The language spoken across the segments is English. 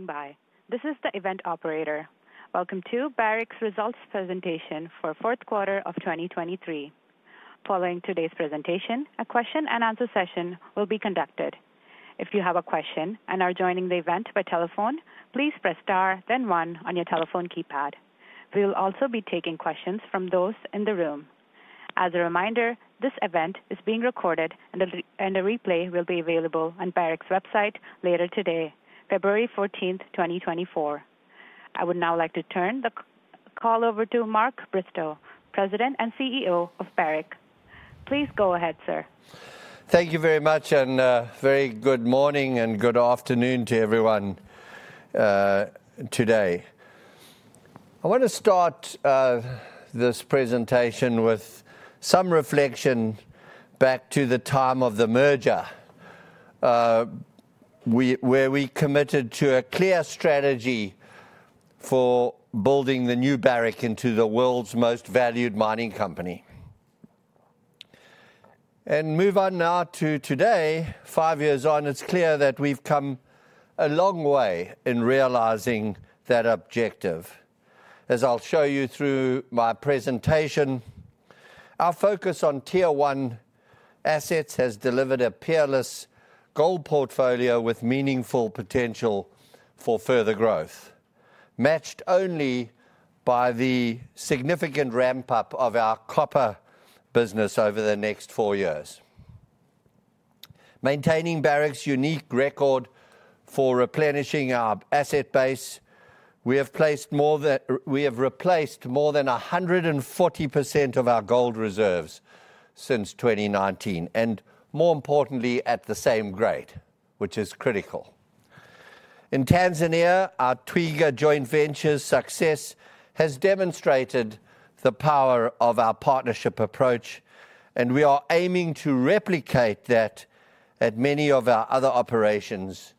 Standing by. This is the event operator. Welcome to Barrick's results presentation for fourth quarter of 2023. Following today's presentation, a question and answer session will be conducted. If you have a question and are joining the event by telephone, please press star, then one on your telephone keypad. We will also be taking questions from those in the room. As a reminder, this event is being recorded and a replay will be available on Barrick's website later today, February 14th, 2024. I would now like to turn the call over to Mark Bristow, President and CEO of Barrick. Please go ahead, sir. Thank you very much, and very good morning and good afternoon to everyone today. I want to start this presentation with some reflection back to the time of the merger, where we committed to a clear strategy for building the new Barrick into the world's most valued mining company. Move on now to today, five years on, it's clear that we've come a long way in realizing that objective. As I'll show you through my presentation, our focus on Tier One assets has delivered a peerless gold portfolio with meaningful potential for further growth, matched only by the significant ramp-up of our copper business over the next four years. Maintaining Barrick's unique record for replenishing our asset base, we have replaced more than 140% of our gold reserves since 2019, and more importantly, at the same grade, which is critical. In Tanzania, our Twiga joint venture success has demonstrated the power of our partnership approach, and we are aiming to replicate that at many of our other operations,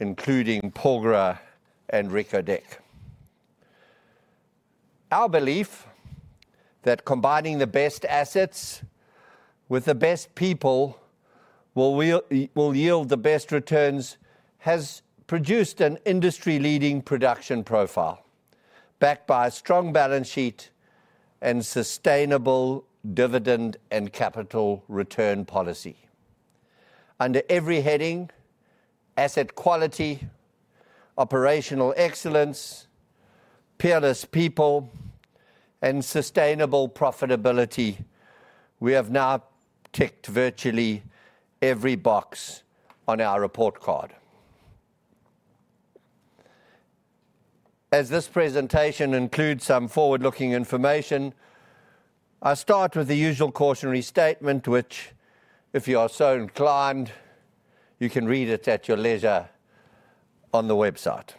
including Porgera and Reko Diq. Our belief that combining the best assets with the best people will yield the best returns has produced an industry-leading production profile, backed by a strong balance sheet and sustainable dividend and capital return policy. Under every heading, asset quality, operational excellence, peerless people, and sustainable profitability, we have now ticked virtually every box on our report card. As this presentation includes some forward-looking information, I start with the usual cautionary statement, which, if you are so inclined, you can read it at your leisure on the website.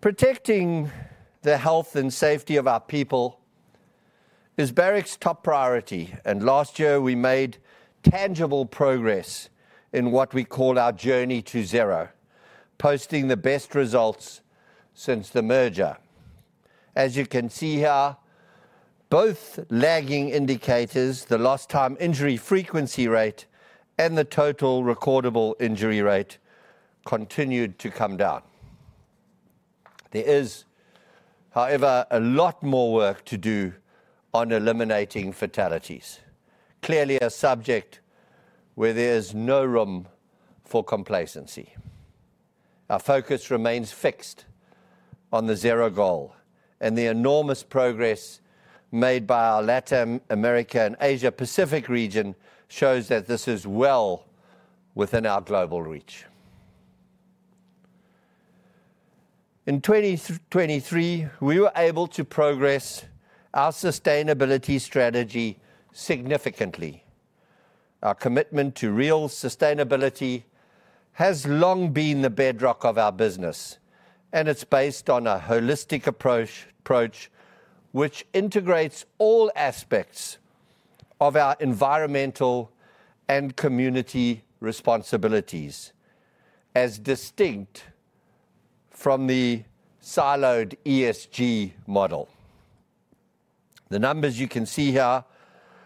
Protecting the health and safety of our people is Barrick's top priority, and last year, we made tangible progress in what we call our Journey to Zero, posting the best results since the merger. As you can see here, both lagging indicators, the Lost Time Injury Frequency Rate and the Total Recordable Injury Rate, continued to come down. There is however, a lot more work to do on eliminating fatalities, clearly a subject where there's no room for complacency. Our focus remains fixed on the zero goal, and the enormous progress made by our Latin America and Asia Pacific region shows that this is well within our global reach. In 2023, we were able to progress our sustainability strategy significantly. Our commitment to real sustainability has long been the bedrock of our business, and it's based on a holistic approach which integrates all aspects of our environmental and community responsibilities as distinct from the siloed ESG model. The numbers you can see here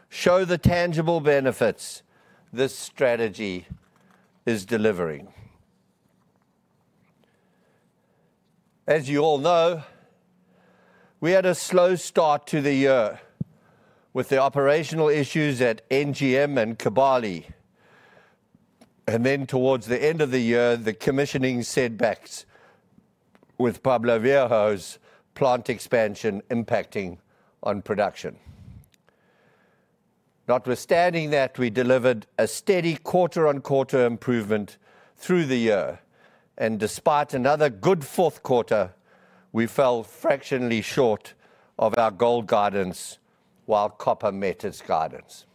show the tangible benefits this strategy is delivering. As you all know, we had a slow start to the year with the operational issues at NGM and Kibali, and then towards the end of the year, the commissioning setbacks with Pueblo Viejo's plant expansion impacting on production. Notwithstanding that, we delivered a steady quarter-on-quarter improvement through the year, and despite another good fourth quarter, we fell fractionally short of our gold guidance, while copper met its guidance.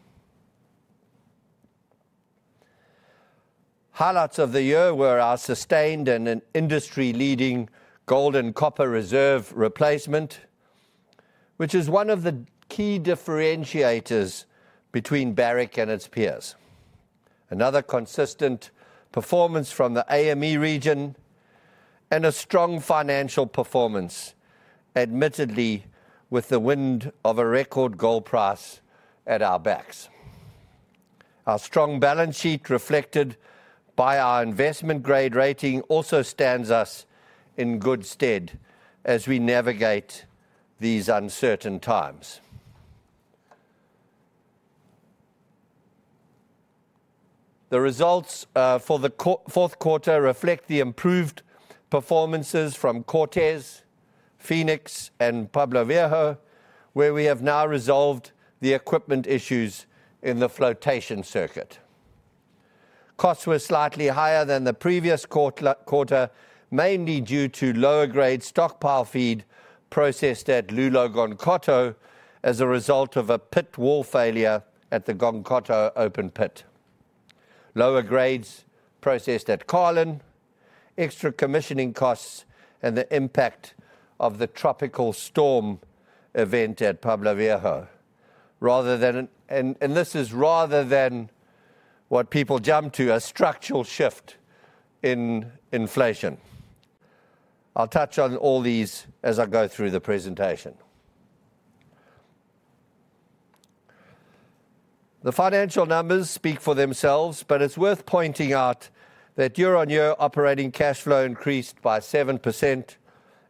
Highlights of the year were our sustained and an industry-leading gold and copper reserve replacement, which is one of the key differentiators between Barrick and its peers. Another consistent performance from the AME region and a strong financial performance, admittedly, with the wind of a record gold price at our backs. Our strong balance sheet, reflected by our investment-grade rating, also stands us in good stead as we navigate these uncertain times. The results for the fourth quarter reflect the improved performances from Cortez, Phoenix, and Pueblo Viejo, where we have now resolved the equipment issues in the flotation circuit. Costs were slightly higher than the previous quarter, mainly due to lower grade stockpile feed processed at Loulo-Gounkoto as a result of a pit wall failure at the Gounkoto open pit. Lower grades processed at Carlin, extra commissioning costs, and the impact of the tropical storm event at Pueblo Viejo. Rather than and this is rather than what people jump to, a structural shift in inflation. I'll touch on all these as I go through the presentation. The financial numbers speak for themselves, but it's worth pointing out that year-on-year operating cash flow increased by 7%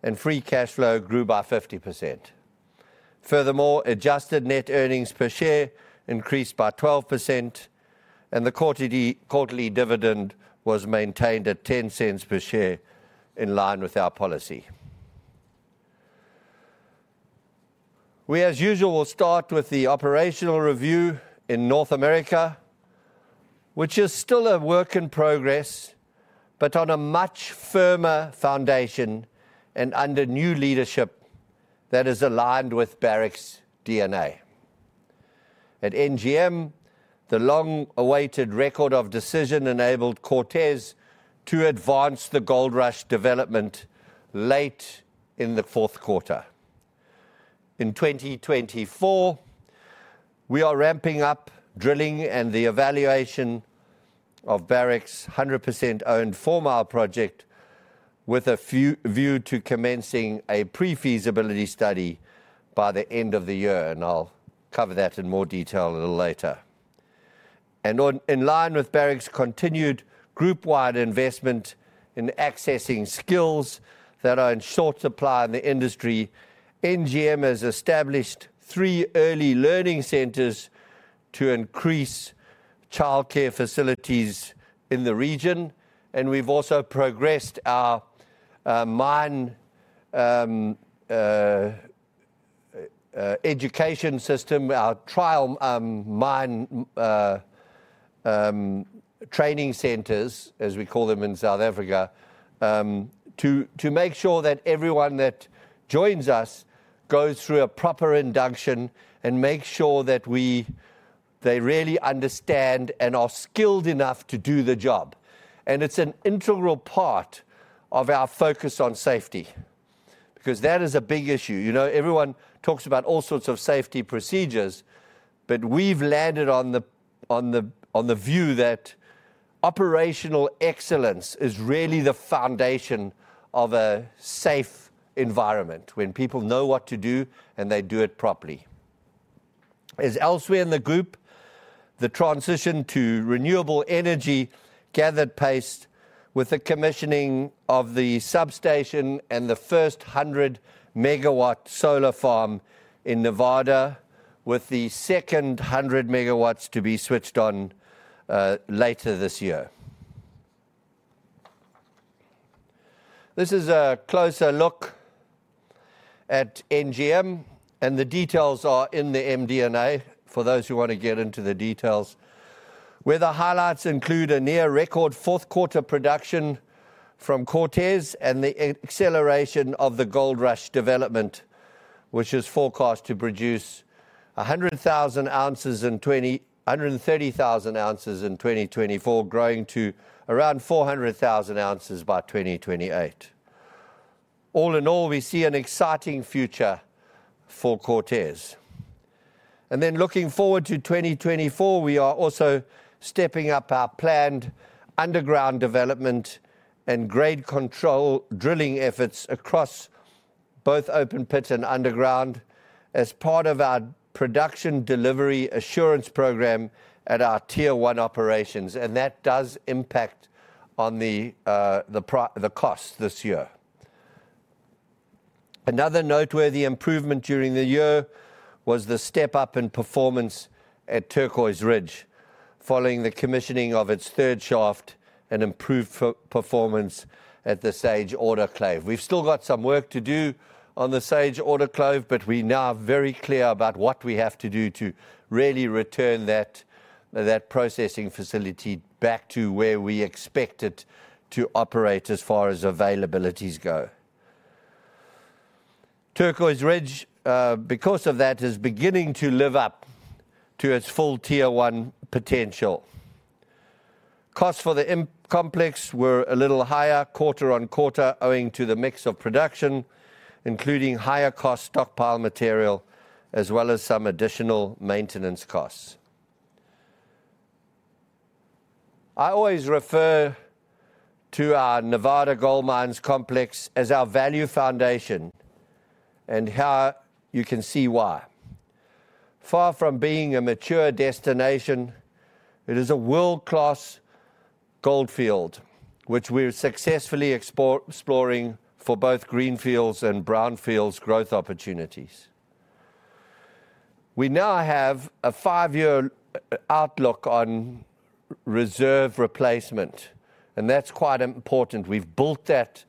and free cash flow grew by 50%. Furthermore, adjusted net earnings per share increased by 12%, and the quarterly, quarterly dividend was maintained at $0.10 per share, in line with our policy. We as usual, will start with the operational review in North America, which is still a work in progress, but on a much firmer foundation and under new leadership that is aligned with Barrick's DNA. At NGM, the long-awaited Record of Decision enabled Cortez to advance the Goldrush development late in the fourth quarter. In 2024, we are ramping up drilling and the evaluation of Barrick's 100% owned Fourmile project, with a view to commencing a pre-feasibility study by the end of the year, and I'll cover that in more detail a little later. And in line with Barrick's continued group-wide investment in accessing skills that are in short supply in the industry, NGM has established three early learning centers to increase childcare facilities in the region, and we've also progressed our mine education system, our trial mine training centers, as we call them in South Africa, to make sure that everyone that joins us goes through a proper induction and makes sure that they really understand and are skilled enough to do the job. And it's an integral part of our focus on safety, because that is a big issue. You know, everyone talks about all sorts of safety procedures, but we've landed on the view that operational excellence is really the foundation of a safe environment, when people know what to do and they do it properly. As elsewhere in the group, the transition to renewable energy gathered pace with the commissioning of the substation and the first 100 MW solar farm in Nevada, with the second 100 MW to be switched on later this year. This is a closer look at NGM, and the details are in the MD&A for those who want to get into the details. Where the highlights include a near record fourth quarter production from Cortez and the acceleration of the Goldrush development, which is forecast to produce 100,000-130,000 ounces in 2024, growing to around 400,000 ounces by 2028. All in all, we see an exciting future for Cortez. And then looking forward to 2024, we are also stepping up our planned underground development and grade control drilling efforts across both open pits and underground as part of our production delivery assurance program at our Tier One operations, and that does impact on the cost this year. Another noteworthy improvement during the year was the step-up in performance at Turquoise Ridge, following the commissioning of its third shaft and improved performance at the Sage autoclave. We've still got some work to do on the Sage autoclave, but we now are very clear about what we have to do to really return that processing facility back to where we expect it to operate as far as availabilities go. Turquoise Ridge, because of that, is beginning to live up to its full Tier One potential. Costs for the complex were a little higher quarter-over-quarter, owing to the mix of production, including higher-cost stockpile material, as well as some additional maintenance costs. I always refer to our Nevada Gold Mines complex as our value foundation, and how you can see why. Far from being a mature destination, it is a world-class gold field, which we're successfully exploring for both greenfields and brownfields growth opportunities. We now have a five-year outlook on reserve replacement, and that's quite important. We've built that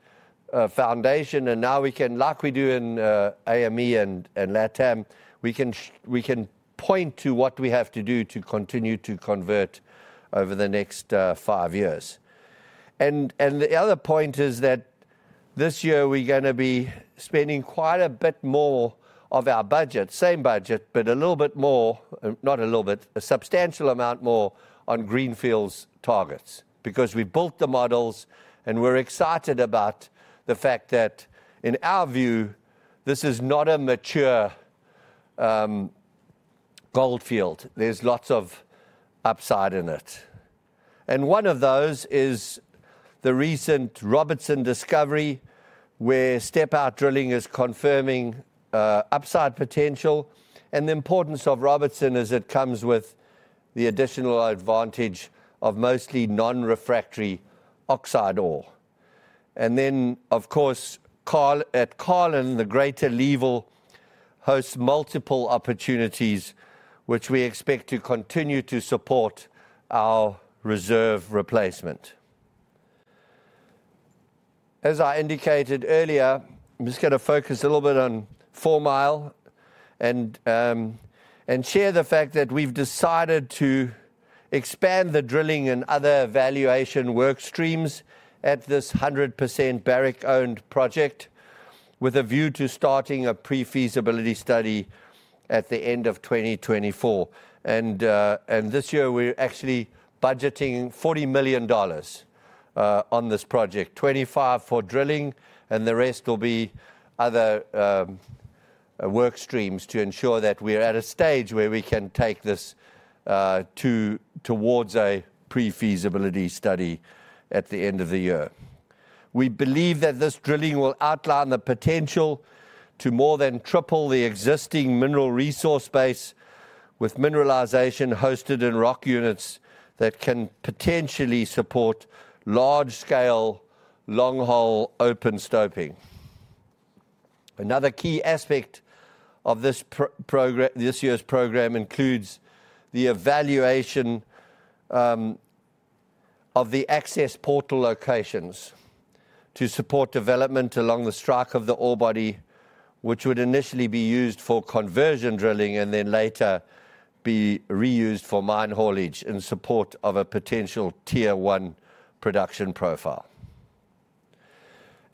foundation, and now we can, like we do in AME and LATAM, we can point to what we have to do to continue to convert over the next 5 years. And the other point is that this year we're gonna be spending quite a bit more of our budget, same budget, but a little bit more, not a little bit, a substantial amount more on greenfields targets, because we built the models, and we're excited about the fact that, in our view, this is not a mature gold field. There's lots of upside in it. And one of those is the recent Robertson discovery, where step-out drilling is confirming upside potential. And the importance of Robertson is it comes with the additional advantage of mostly non-refractory oxide ore. And then of course, at Carlin, the greater level hosts multiple opportunities, which we expect to continue to support our reserve replacement. As I indicated earlier, I'm just gonna focus a little bit on Fourmile and share the fact that we've decided to expand the drilling and other evaluation work streams at this 100% Barrick-owned project, with a view to starting a pre-feasibility study at the end of 2024. And this year we're actually budgeting $40 million on this project, $25 million for drilling, and the rest will be other work streams to ensure that we're at a stage where we can take this towards a pre-feasibility study at the end of the year. We believe that this drilling will outline the potential to more than triple the existing mineral resource base with mineralization hosted in rock units that can potentially support large-scale, long-haul, open stoping. Another key aspect of this pro-program, this year's program includes the evaluation of the access portal locations to support development along the strike of the ore body, which would initially be used for conversion drilling and then later be reused for mine haulage in support of a potential Tier One production profile.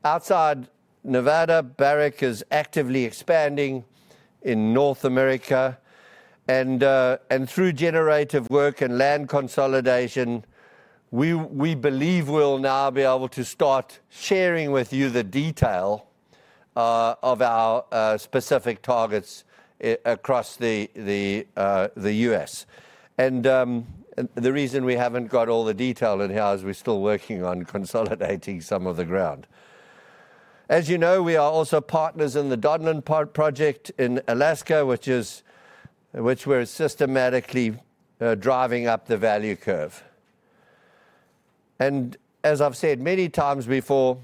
Outside Nevada, Barrick is actively expanding in North America, and and through generative work and land consolidation, we believe we'll now be able to start sharing with you the detail of our specific targets across the the U.S. The reason we haven't got all the detail in here is we're still working on consolidating some of the ground. As you know, we are also partners in the Donlin Gold project in Alaska, which we're systematically driving up the value curve. And as I've said many times before,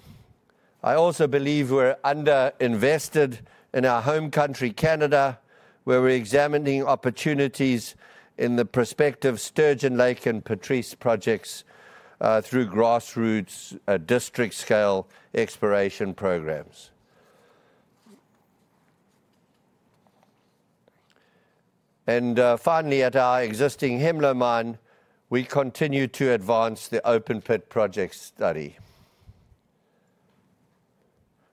I also believe we're under-invested in our home country, Canada, where we're examining opportunities in the prospective Sturgeon Lake and Patrice projects through grassroots, district-scale exploration programs. And finally, at our existing Hemlo mine, we continue to advance the open-pit project study.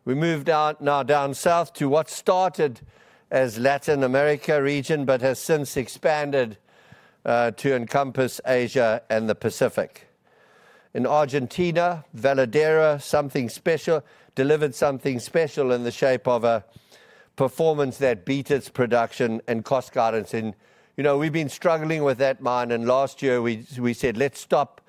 We move down, now down south to what started as Latin America region, but has since expanded to encompass Asia and the Pacific. In Argentina, Veladero, something special, delivered something special in the shape of a performance that beat its production and cost guidance and, you know, we've been struggling with that mine, and last year we said, "Let's stop,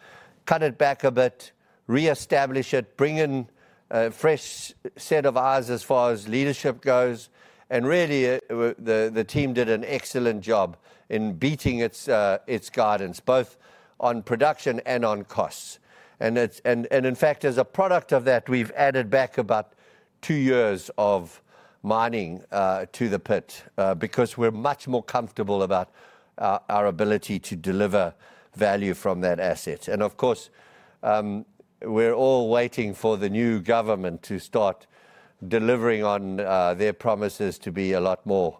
cut it back a bit, reestablish it, bring in a fresh set of eyes as far as leadership goes." And really, the team did an excellent job in beating its guidance, both on production and on costs. And in fact, as a product of that, we've added back about two years of mining to the pit, because we're much more comfortable about our ability to deliver value from that asset. And of course, we're all waiting for the new government to start delivering on their promises to be a lot more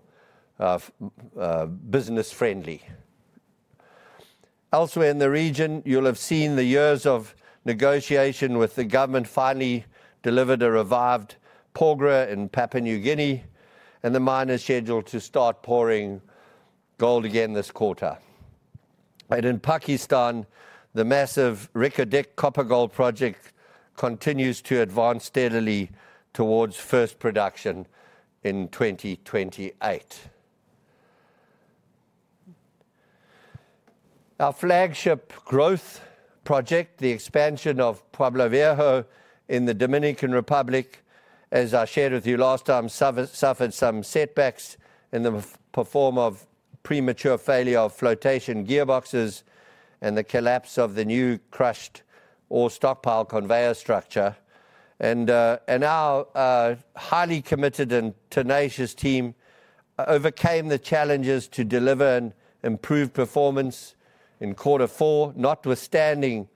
business friendly. Elsewhere in the region, you'll have seen the years of negotiation with the government finally delivered a revived Porgera in Papua New Guinea, and the mine is scheduled to start pouring gold again this quarter. And in Pakistan, the massive Reko Diq copper gold project continues to advance steadily towards first production in 2028. Our flagship growth project, the expansion of Pueblo Viejo in the Dominican Republic, as I shared with you last time, suffered some setbacks in the form of premature failure of flotation gearboxes and the collapse of the new crushed ore stockpile conveyor structure. And our highly committed and tenacious team overcame the challenges to deliver an improved performance in quarter four, notwithstanding,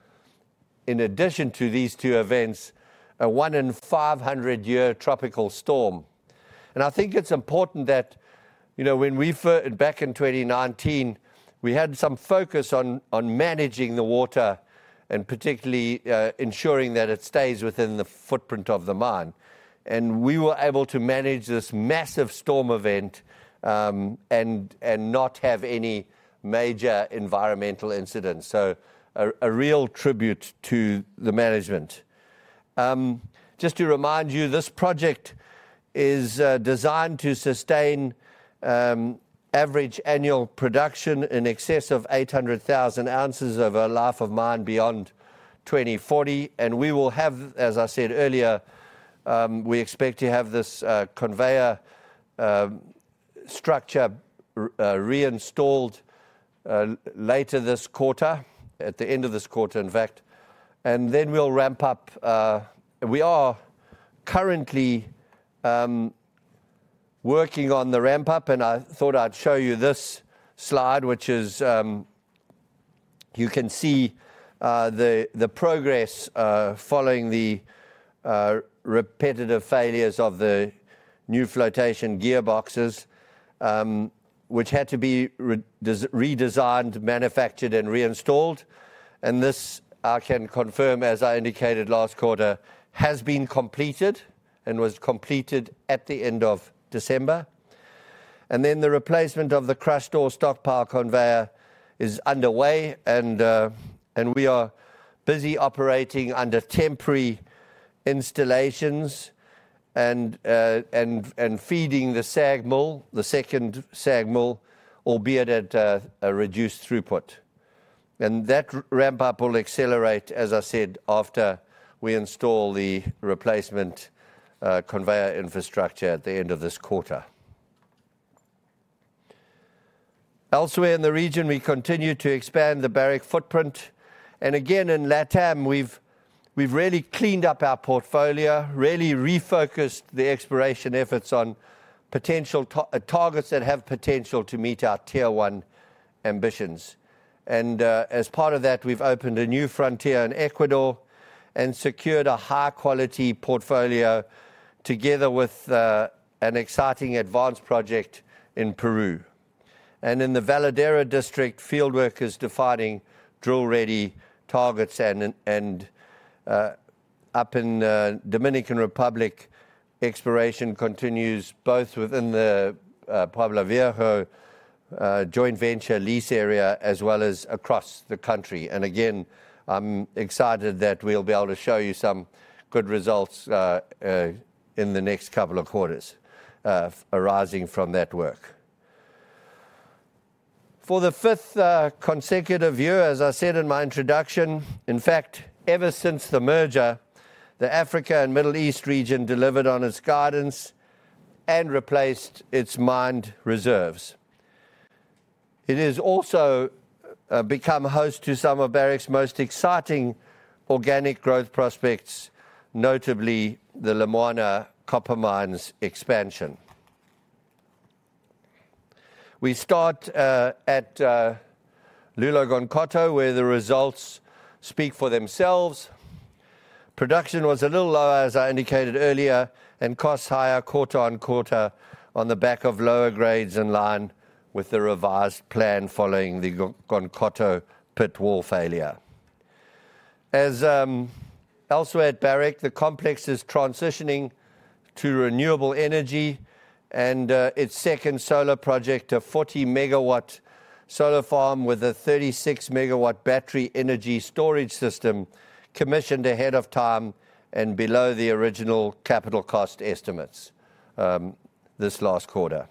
in addition to these two events, a 1 in 500-year tropical storm. I think it's important that, you know, when we—Back in 2019, we had some focus on managing the water and particularly ensuring that it stays within the footprint of the mine. And we were able to manage this massive storm event and not have any major environmental incidents. So a real tribute to the management. Just to remind you, this project is designed to sustain average annual production in excess of 800,000 ounces over a life of mine beyond 2040. And we will have, as I said earlier, we expect to have this conveyor structure reinstalled later this quarter, at the end of this quarter in fact. Then we'll ramp up. We are currently working on the ramp-up, and I thought I'd show you this slide, which is you can see the progress following the repetitive failures of the new flotation gearboxes, which had to be redesigned, manufactured, and reinstalled. And this, I can confirm, as I indicated last quarter, has been completed and was completed at the end of December. And then the replacement of the crushed ore stockpile conveyor is underway, and we are busy operating under temporary installations and feeding the SAG mill, the second SAG mill, albeit at a reduced throughput. And that ramp-up will accelerate, as I said, after we install the replacement conveyor infrastructure at the end of this quarter. Elsewhere in the region, we continue to expand the Barrick footprint, and again in LATAM, we've really cleaned up our portfolio, really refocused the exploration efforts on potential targets that have potential to meet our Tier One ambitions. And, as part of that, we've opened a new frontier in Ecuador and secured a high-quality portfolio together with an exciting advanced project in Peru. And in the Veladero District, field work is defining drill-ready targets, and up in Dominican Republic, exploration continues both within the Pueblo Viejo joint venture lease area, as well as across the country. And again, I'm excited that we'll be able to show you some good results in the next couple of quarters arising from that work. For the fifth consecutive year, as I said in my introduction, in fact, ever since the merger, the Africa and Middle East region delivered on its guidance and replaced its mined reserves. It has also become host to some of Barrick's most exciting organic growth prospects, notably the Lumwana copper mine expansion. We start at Loulo-Gounkoto, where the results speak for themselves. Production was a little lower, as I indicated earlier, and costs higher quarter-over-quarter on the back of lower grades in line with the revised plan following the Gounkoto pit wall failure. As elsewhere at Barrick, the complex is transitioning to renewable energy and its second solar project, a 40 MW solar farm with a 36 MWh battery energy storage system, commissioned ahead of time and below the original capital cost estimates this last quarter.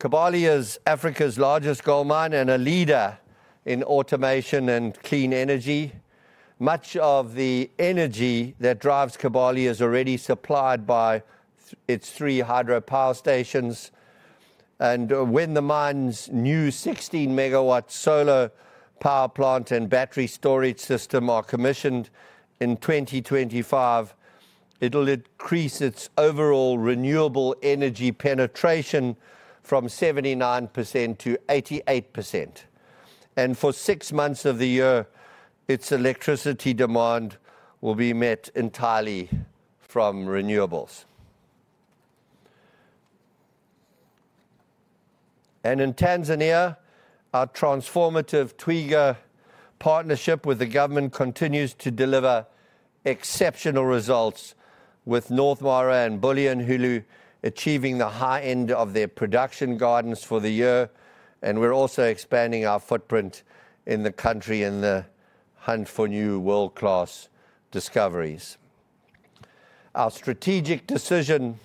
Kibali is Africa's largest gold mine and a leader in automation and clean energy. Much of the energy that drives Kibali is already supplied by its three hydropower stations. When the mine's new 16 MW solar power plant and battery storage system are commissioned in 2025, it'll increase its overall renewable energy penetration from 79% - 88%, and for six months of the year, its electricity demand will be met entirely from renewables. In Tanzania, our transformative Twiga partnership with the government continues to deliver exceptional results with North Mara and Bulyanhulu achieving the high end of their production guidance for the year. We're also expanding our footprint in the country in the hunt for new world-class discoveries. Our strategic decision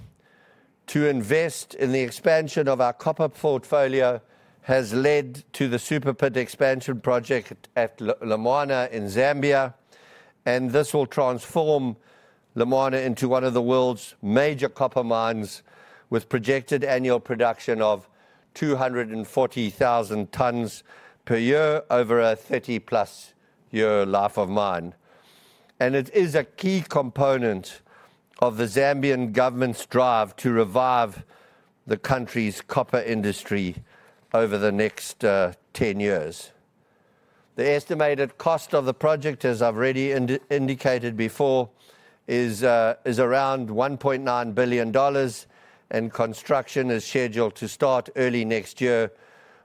to invest in the expansion of our copper portfolio has led to the Super Pit expansion project at Lumwana in Zambia, and this will transform Lumwana into one of the world's major copper mines, with projected annual production of 240,000 tons per year over a 30+ year life of mine. It is a key component of the Zambian government's drive to revive the country's copper industry over the next 10 years. The estimated cost of the project, as I've already indicated before, is around $1.9 billion, and construction is scheduled to start early next year,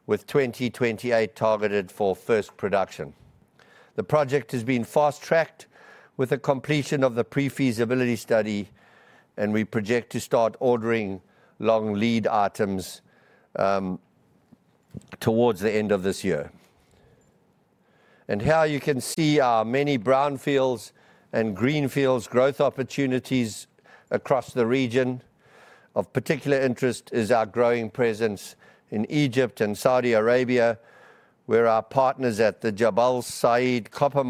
with 2028 targeted for first production. The project is being fast-tracked with the completion of the pre-feasibility study, and we project to start ordering long lead items towards the end of this year. And here you can see our many brownfields and greenfields growth opportunities across the region. Of particular interest is our growing presence in Egypt and Saudi Arabia, where, with our partners at the Jabal Sayid copper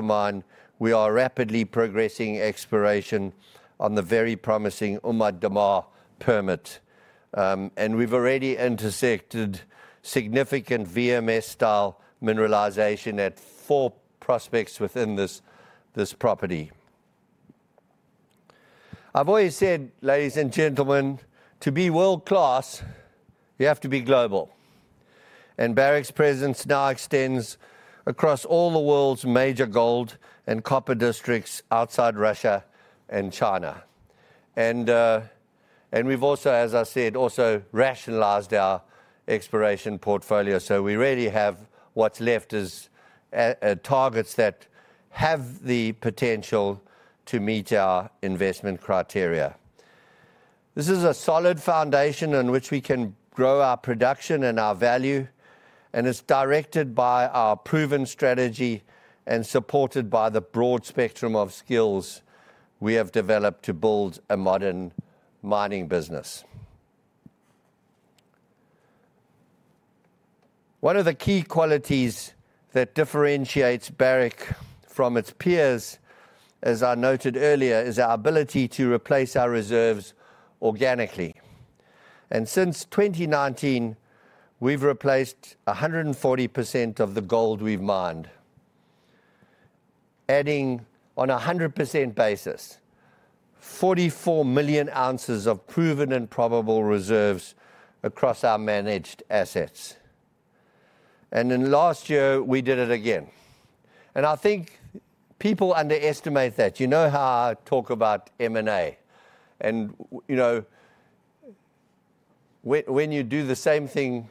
mine, we are rapidly progressing exploration on the very promising Umm ad Damar permit. And we've already intersected significant VMS-style mineralization at four prospects within this, this property. I've always said, ladies and gentlemen, "To be world-class, you have to be global." And Barrick's presence now extends across all the world's major gold and copper districts outside Russia and China. And we've also, as I said, also rationalized our exploration portfolio, so we really have what's left is targets that have the potential to meet our investment criteria. This is a solid foundation on which we can grow our production and our value, and it's directed by our proven strategy and supported by the broad spectrum of skills we have developed to build a modern mining business. One of the key qualities that differentiates Barrick from its peers, as I noted earlier, is our ability to replace our reserves organically. And since 2019, we've replaced 140% of the gold we've mined, adding on a 100% basis, 44 million ounces of proven and probable reserves across our managed assets. And in last year, we did it again. And I think people underestimate that. You know how I talk about M&A? And you know, when you do the same thing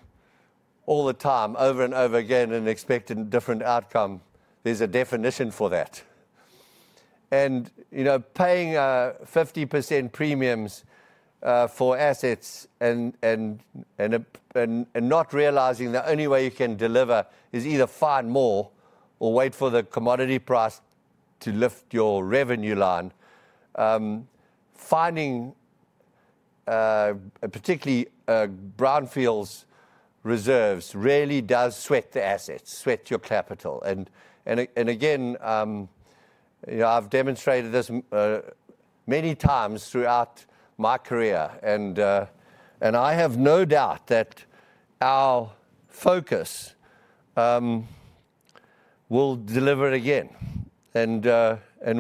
all the time, over and over again and expect a different outcome, there's a definition for that. You know, paying 50% premiums for assets and not realizing the only way you can deliver is either find more or wait for the commodity price to lift your revenue line. Finding particularly brownfields reserves, really does sweat the assets, sweat your capital. And again, you know, I've demonstrated this many times throughout my career, and I have no doubt that our focus will deliver again. And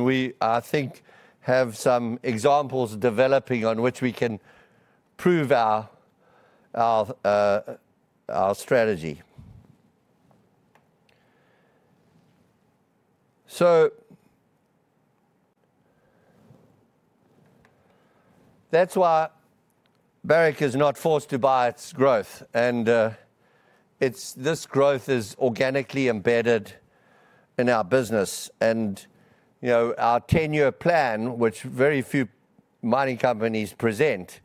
we, I think, have some examples developing on which we can prove our strategy. So that's why Barrick is not forced to buy its growth, and it's this growth is organically embedded in our business. You know, our 10-year plan, which very few mining companies present,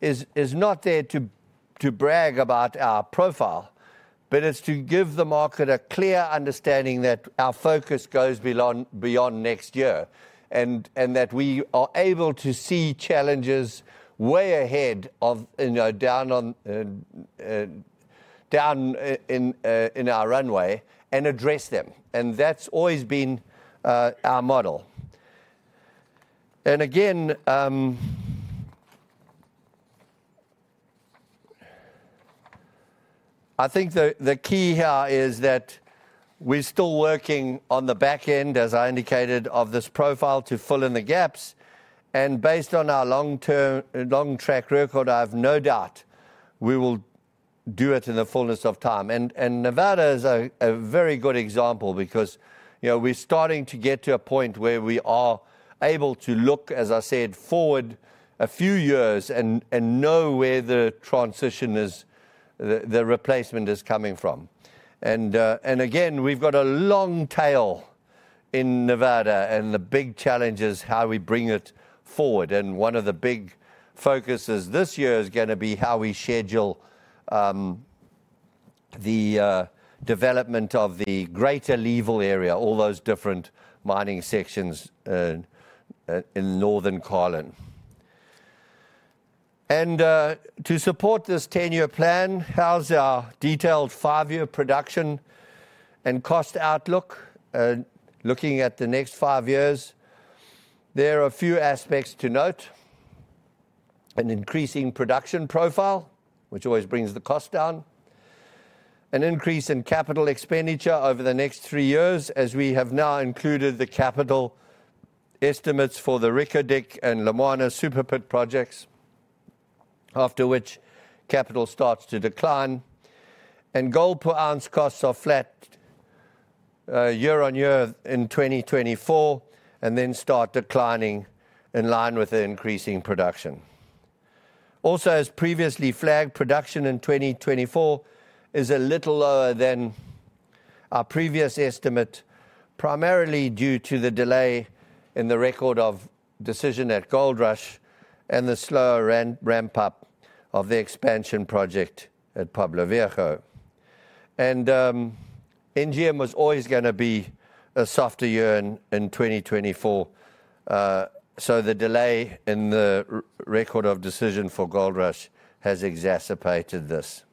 is not there to brag about our profile, but it's to give the market a clear understanding that our focus goes beyond next year, and that we are able to see challenges way ahead of, you know, down in our runway and address them. That's always been our model. Again, I think the key here is that we're still working on the back end, as I indicated, of this profile, to fill in the gaps. Based on our long-term track record, I have no doubt we will do it in the fullness of time. Nevada is a very good example because, you know, we're starting to get to a point where we are able to look, as I said, forward a few years and know where the transition is, the replacement is coming from. And again, we've got a long tail in Nevada, and the big challenge is how we bring it forward. And one of the big focuses this year is gonna be how we schedule the development of the Greater Leeville area, all those different mining sections in northern Carlin. And to support this 10-year plan, here's our detailed 5-year production and cost outlook. Looking at the next five years, there are a few aspects to note: an increasing production profile, which always brings the cost down. An increase in capital expenditure over the next three years, as we have now included the capital estimates for the Reko Diq and Lumwana Super Pit projects, after which capital starts to decline. And gold per ounce costs are flat year-on-year in 2024, and then start declining in line with the increasing production. Also, as previously flagged, production in 2024 is a little lower than our previous estimate, primarily due to the delay in the record of decision at Goldrush and the slower ramp up of the expansion project at Pueblo Viejo. NGM was always gonna be a softer year in 2024, so the delay in the record of decision for Goldrush has exacerbated this.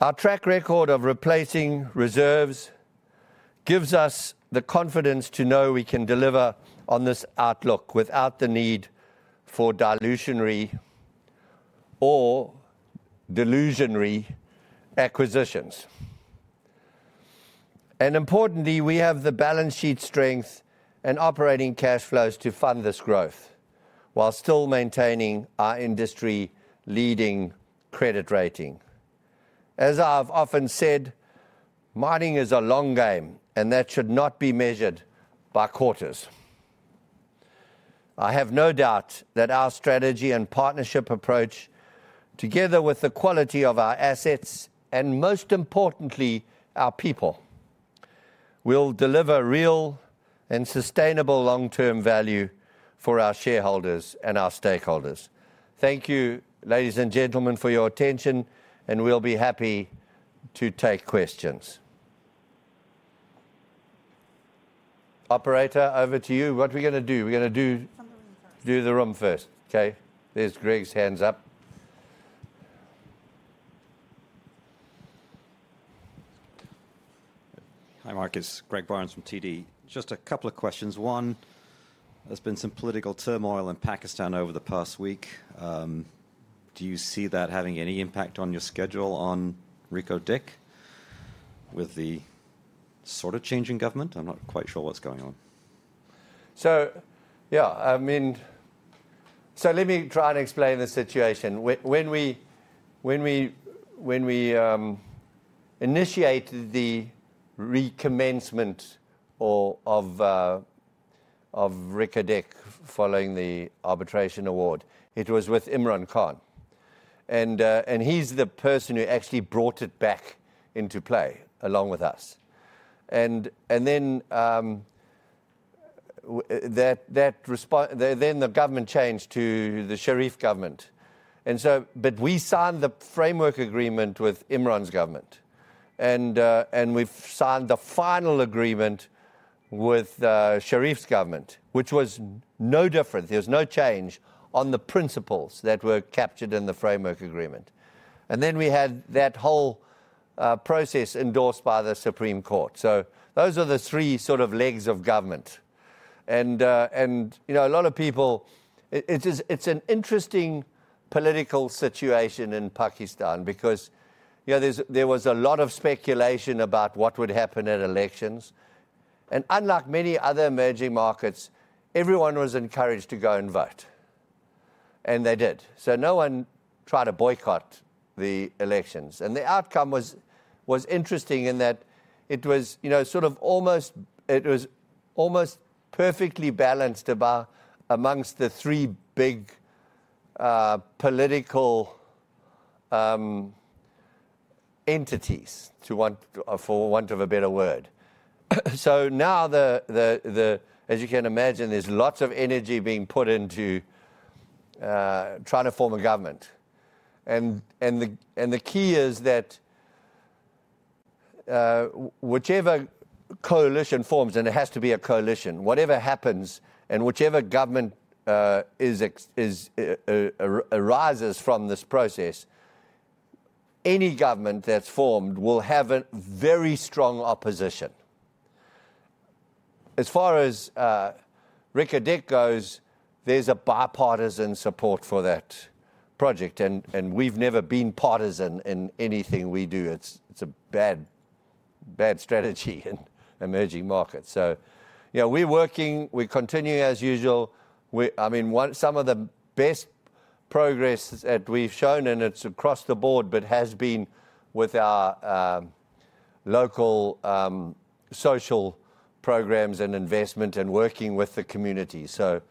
Our track record of replacing reserves gives us the confidence to know we can deliver on this outlook without the need for dilutionary or delusionary acquisitions. And importantly, we have the balance sheet strength and operating cash flows to fund this growth, while still maintaining our industry-leading credit rating. As I've often said, mining is a long game, and that should not be measured by quarters. I have no doubt that our strategy and partnership approach, together with the quality of our assets, and most importantly, our people, will deliver real and sustainable long-term value for our shareholders and our stakeholders. Thank you, ladies and gentlemen, for your attention, and we'll be happy to take questions. Operator, over to you. What are we gonna do? We're gonna do from the room first. Do the room first. Okay, there's Greg's hand up. Hi, Mark. It's Greg Barnes from TD. Just a couple of questions. One, there's been some political turmoil in Pakistan over the past week. Do you see that having any impact on your schedule on Reko Diq, with the sort of change in government? I'm not quite sure what's going on. So, yeah, I mean... So let me try and explain the situation. When we initiated the recommencement of Reko Diq following the arbitration award, it was with Imran Khan. And he's the person who actually brought it back into play, along with us. And then the government changed to the Sharif government, but we signed the framework agreement with Imran's government. And we've signed the final agreement with Sharif's government, which was no different. There was no change on the principles that were captured in the framework agreement. And then we had that whole process endorsed by the Supreme Court. So those are the three sort of legs of government. And you know, a lot of people—it is, it's an interesting political situation in Pakistan because, you know, there was a lot of speculation about what would happen at elections. And unlike many other emerging markets, everyone was encouraged to go and vote, and they did. So no one tried to boycott the elections. And the outcome was interesting in that it was, you know, sort of almost—it was almost perfectly balanced amongst the three big political entities, for want of a better word. So now, as you can imagine, there's lots of energy being put into trying to form a government. The key is that whichever coalition forms, and it has to be a coalition, whatever happens and whichever government arises from this process, any government that's formed will have a very strong opposition. As far as Reko Diq goes, there's bipartisan support for that project, and we've never been partisan in anything we do. It's a bad strategy in emerging markets. So, you know, we're working, we're continuing as usual. I mean, some of the best progress that we've shown, and it's across the board, but has been with our local social programs and investment and working with the community. So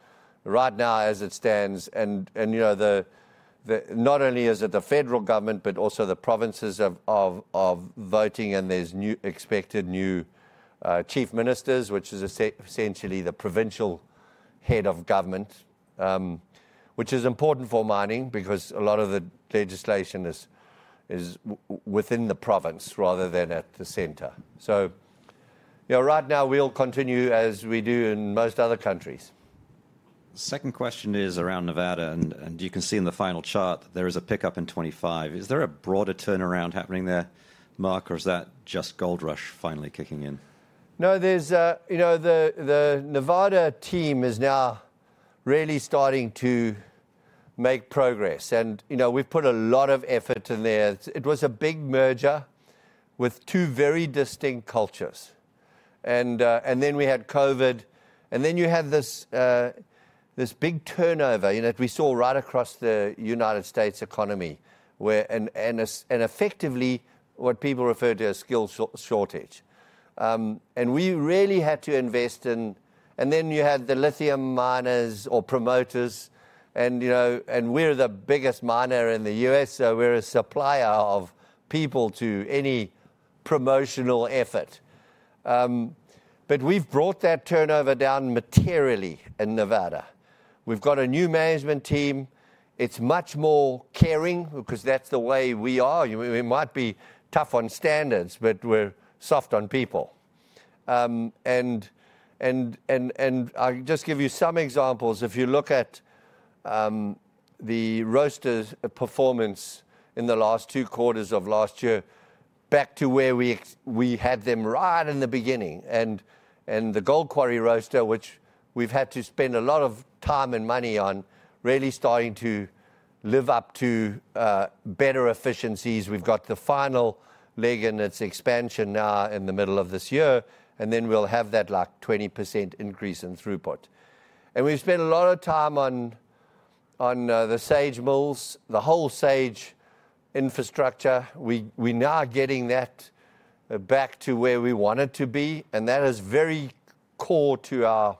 right now, as it stands, you know, the not only is it the federal government, but also the provinces of voting, and there's expected new chief ministers, which is essentially the provincial head of government. Which is important for mining, because a lot of the legislation is within the province rather than at the center. So, yeah, right now, we'll continue as we do in most other countries. Second question is around Nevada, and you can see in the final chart that there is a pickup in 2025. Is there a broader turnaround happening there Mark, or is that just Goldrush finally kicking in? No, there's a. You know, the Nevada team is now really starting to make progress. And, you know, we've put a lot of effort in there. It was a big merger with two very distinct cultures. And then we had COVID, and then you had this big turnover, you know, that we saw right across the United States economy, where, and effectively, what people refer to as skill shortage. And we really had to invest in. And then you had the lithium miners or promoters and, you know, and we're the biggest miner in the U.S., so we're a supplier of people to any promotional effort. But we've brought that turnover down materially in Nevada. We've got a new management team. It's much more caring, because that's the way we are. We might be tough on standards, but we're soft on people. And I'll just give you some examples. If you look at the roaster's performance in the last two quarters of last year, back to where we had them right in the beginning, and the Gold Quarry roaster, which we've had to spend a lot of time and money on, really starting to live up to better efficiencies. We've got the final leg in its expansion now in the middle of this year, and then we'll have that, like, 20% increase in throughput. And we've spent a lot of time on the SAG mills, the whole SAG infrastructure. We now are getting that back to where we want it to be, and that is very core to our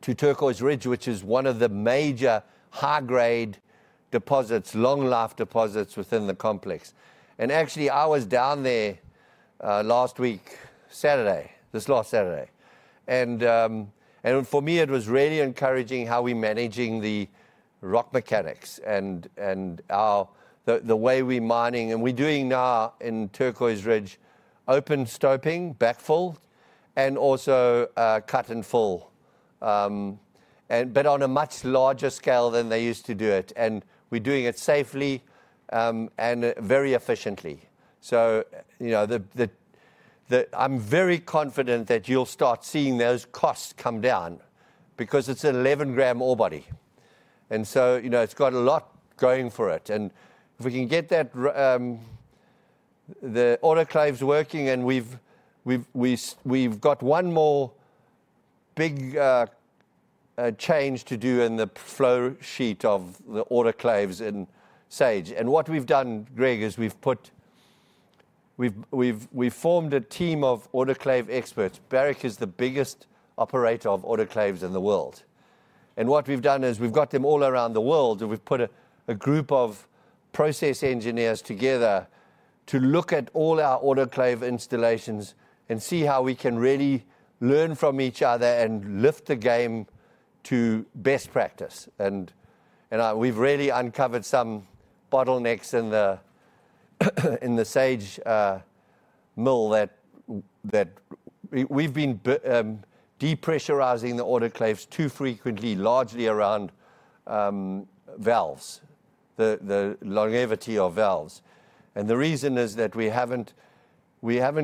to Turquoise Ridge, which is one of the major high-grade deposits, long-life deposits within the complex. And actually, I was down there last week, Saturday, this last Saturday. And for me, it was really encouraging how we managing the rock mechanics and our the way we mining. And we're doing now in Turquoise Ridge, open stoping, backfill, and also cut and fill. But on a much larger scale than they used to do it, and we're doing it safely and very efficiently. So, you know, I'm very confident that you'll start seeing those costs come down because it's an 11-gram ore body. And so, you know, it's got a lot going for it. If we can get the autoclaves working, and we've got one more big change to do in the flow sheet of the autoclaves in SAG. What we've done, Greg, is we've formed a team of autoclave experts. Barrick is the biggest operator of autoclaves in the world. What we've done is we've got them all around the world, and we've put a group of process engineers together to look at all our autoclave installations and see how we can really learn from each other and lift the game to best practice. We've really uncovered some bottlenecks in the SAG mill that. We've been depressurizing the autoclaves too frequently, largely around valves, the longevity of valves. The reason is that we haven't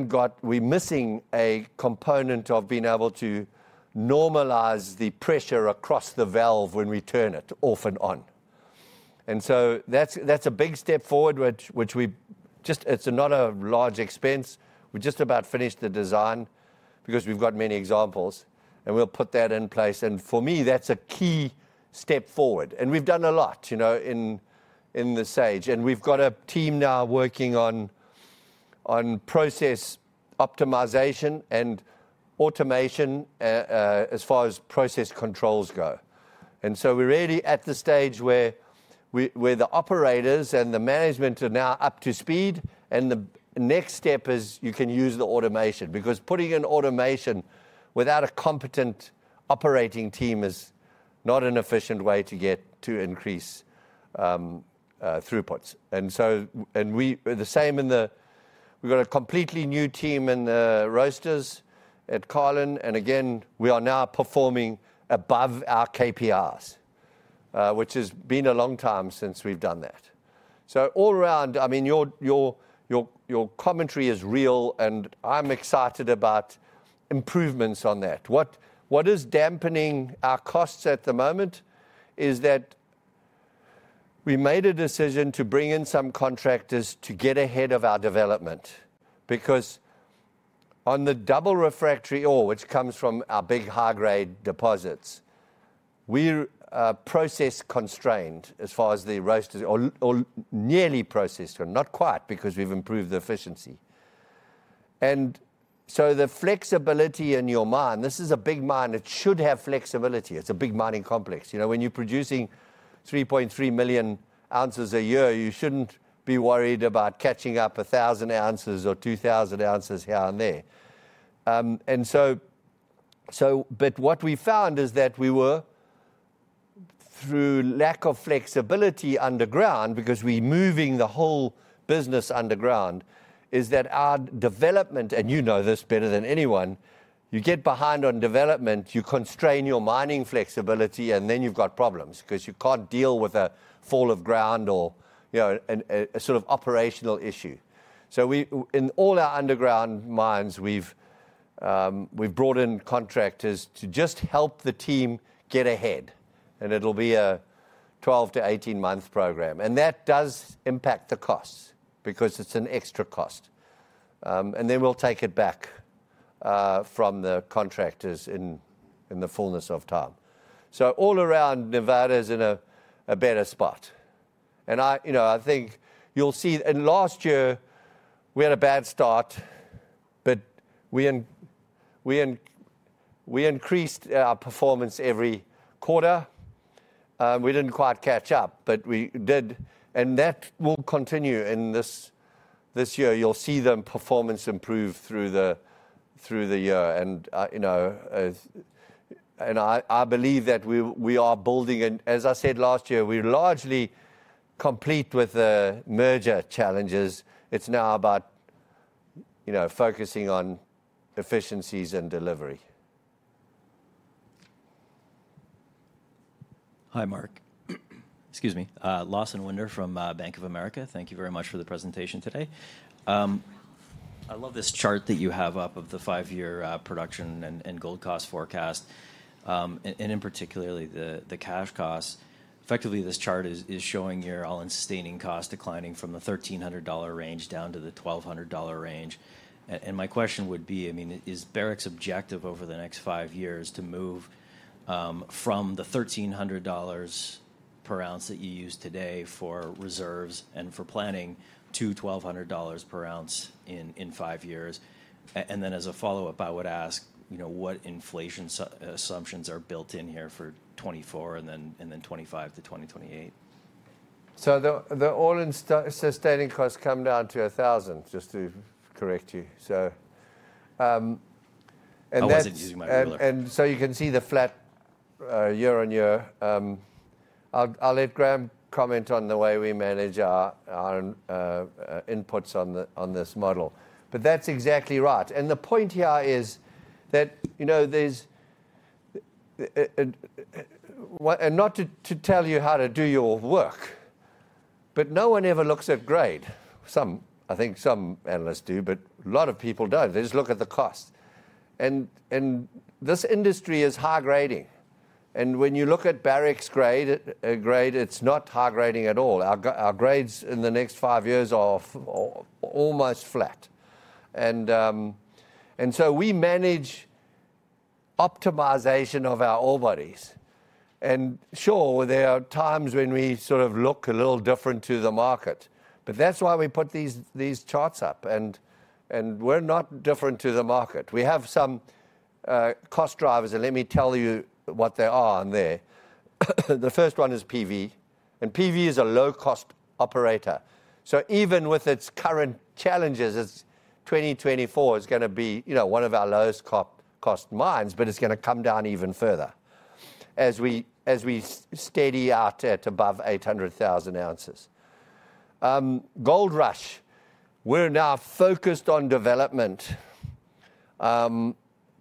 got—we're missing a component of being able to normalize the pressure across the valve when we turn it off and on. And so that's a big step forward, which we just—it's not a large expense. We've just about finished the design because we've got many examples, and we'll put that in place. And for me, that's a key step forward. And we've done a lot, you know, in the Sage, and we've got a team now working on process optimization and automation, as far as process controls go. We're really at the stage where the operators and the management are now up to speed, and the next step is you can use the automation, because putting in automation without a competent operating team is not an efficient way to get to increase throughputs. The same in the—we've got a completely new team in the roasters at Carlin, and again, we are now performing above our KPIs, which has been a long time since we've done that. So all around, I mean, your commentary is real, and I'm excited about improvements on that. What is dampening our costs at the moment is that we made a decision to bring in some contractors to get ahead of our development, because on the double refractory ore, which comes from our big high-grade deposits. We're process constrained as far as the roasters or nearly processed, but not quite, because we've improved the efficiency. And so the flexibility in your mine, this is a big mine, it should have flexibility. It's a big mining complex. You know, when you're producing 3.3 million ounces a year, you shouldn't be worried about catching up 1,000 ounces or 2,000 ounces here and there. And so but what we found is that we were, through lack of flexibility underground, because we're moving the whole business underground, is that our development, and you know this better than anyone, you get behind on development, you constrain your mining flexibility, and then you've got problems. 'Cause you can't deal with a fall of ground or, you know, a sort of operational issue. So we in all our underground mines, we've brought in contractors to just help the team get ahead, and it'll be a 12-18 month program. And that does impact the costs because it's an extra cost. And then we'll take it back from the contractors in the fullness of time. So all around, Nevada is in a better spot. And I you know I think you'll see and last year we had a bad start, but we increased our performance every quarter. We didn't quite catch up, but we did and that will continue in this year. You'll see the performance improve through the year, and you know and I believe that we are building. And as I said, last year, we largely completed the merger challenges. It's now about, you know, focusing on efficiencies and delivery. Hi, Mark. Excuse me. Lawson Winder from Bank of America. Thank you very much for the presentation today. I love this chart that you have up of the five-year production and gold cost forecast, and in particular, the cash costs. Effectively, this chart is showing your all-in sustaining cost declining from the $1,300 range down to the $1,200 range. And my question would be, I mean, is Barrick's objective over the next five years to move from the $1,300 per ounce that you use today for reserves and for planning to $1,200 per ounce in five years? And then as a follow-up, I would ask, you know, what inflation assumptions are built in here for 2024 and then 2025-2028? The all-in sustaining costs come down to $1,000, just to correct you. And that- I wasn't using my ruler. And so you can see the flat year-on-year. I'll let Graham comment on the way we manage our inputs on this model. But that's exactly right. And the point here is that, you know, there's what. And not to tell you how to do your work, but no one ever looks at grade. Some, I think some analysts do, but a lot of people don't. They just look at the cost. And this industry is high grading, and when you look at Barrick's grade, grade, it's not high grading at all. Our grades in the next five years are almost flat. And so we manage optimization of our ore bodies. Sure, there are times when we sort of look a little different to the market, but that's why we put these, these charts up, and, and we're not different to the market. We have some cost drivers, and let me tell you what they are in there. The first one is PV, and PV is a low-cost operator. So even with its current challenges, its 2024 is gonna be, you know, one of our lowest cost mines, but it's gonna come down even further as we, as we steady out at above 800,000 ounces. Goldrush, we're now focused on development,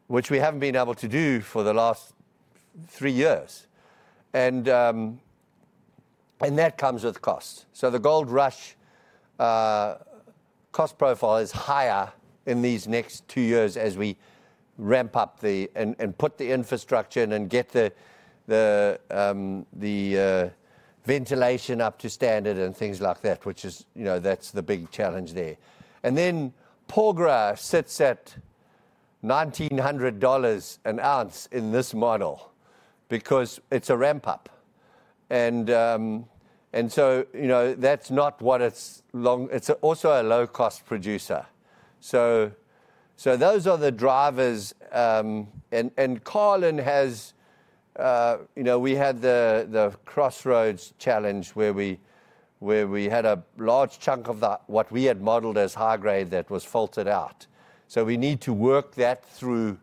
which we haven't been able to do for the last three years. And, and that comes with costs. So the Goldrush cost profile is higher in these next two years as we ramp up the and put the infrastructure in and get the ventilation up to standard and things like that, which is, you know, that's the big challenge there. And then Porgera sits at $1,900 an ounce in this model because it's a ramp up. And so, you know, that's not what it's long- it's also a low-cost producer. So those are the drivers. And Carlin has, you know, we had the crossroads challenge where we had a large chunk of the what we had modeled as high grade that was faulted out. So we need to work that through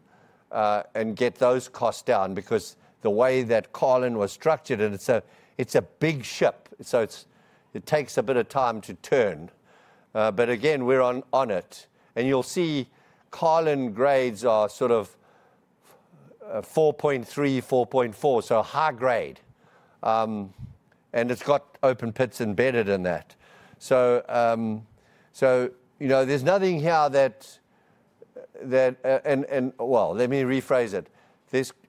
and get those costs down because the way that Carlin was structured, and it's a big ship, so it takes a bit of time to turn. But again, we're on it. You'll see Carlin grades are sort of 4.3, 4.4, so high grade. It's got open pits embedded in that. So, you know, there's nothing here that... Well, let me rephrase it.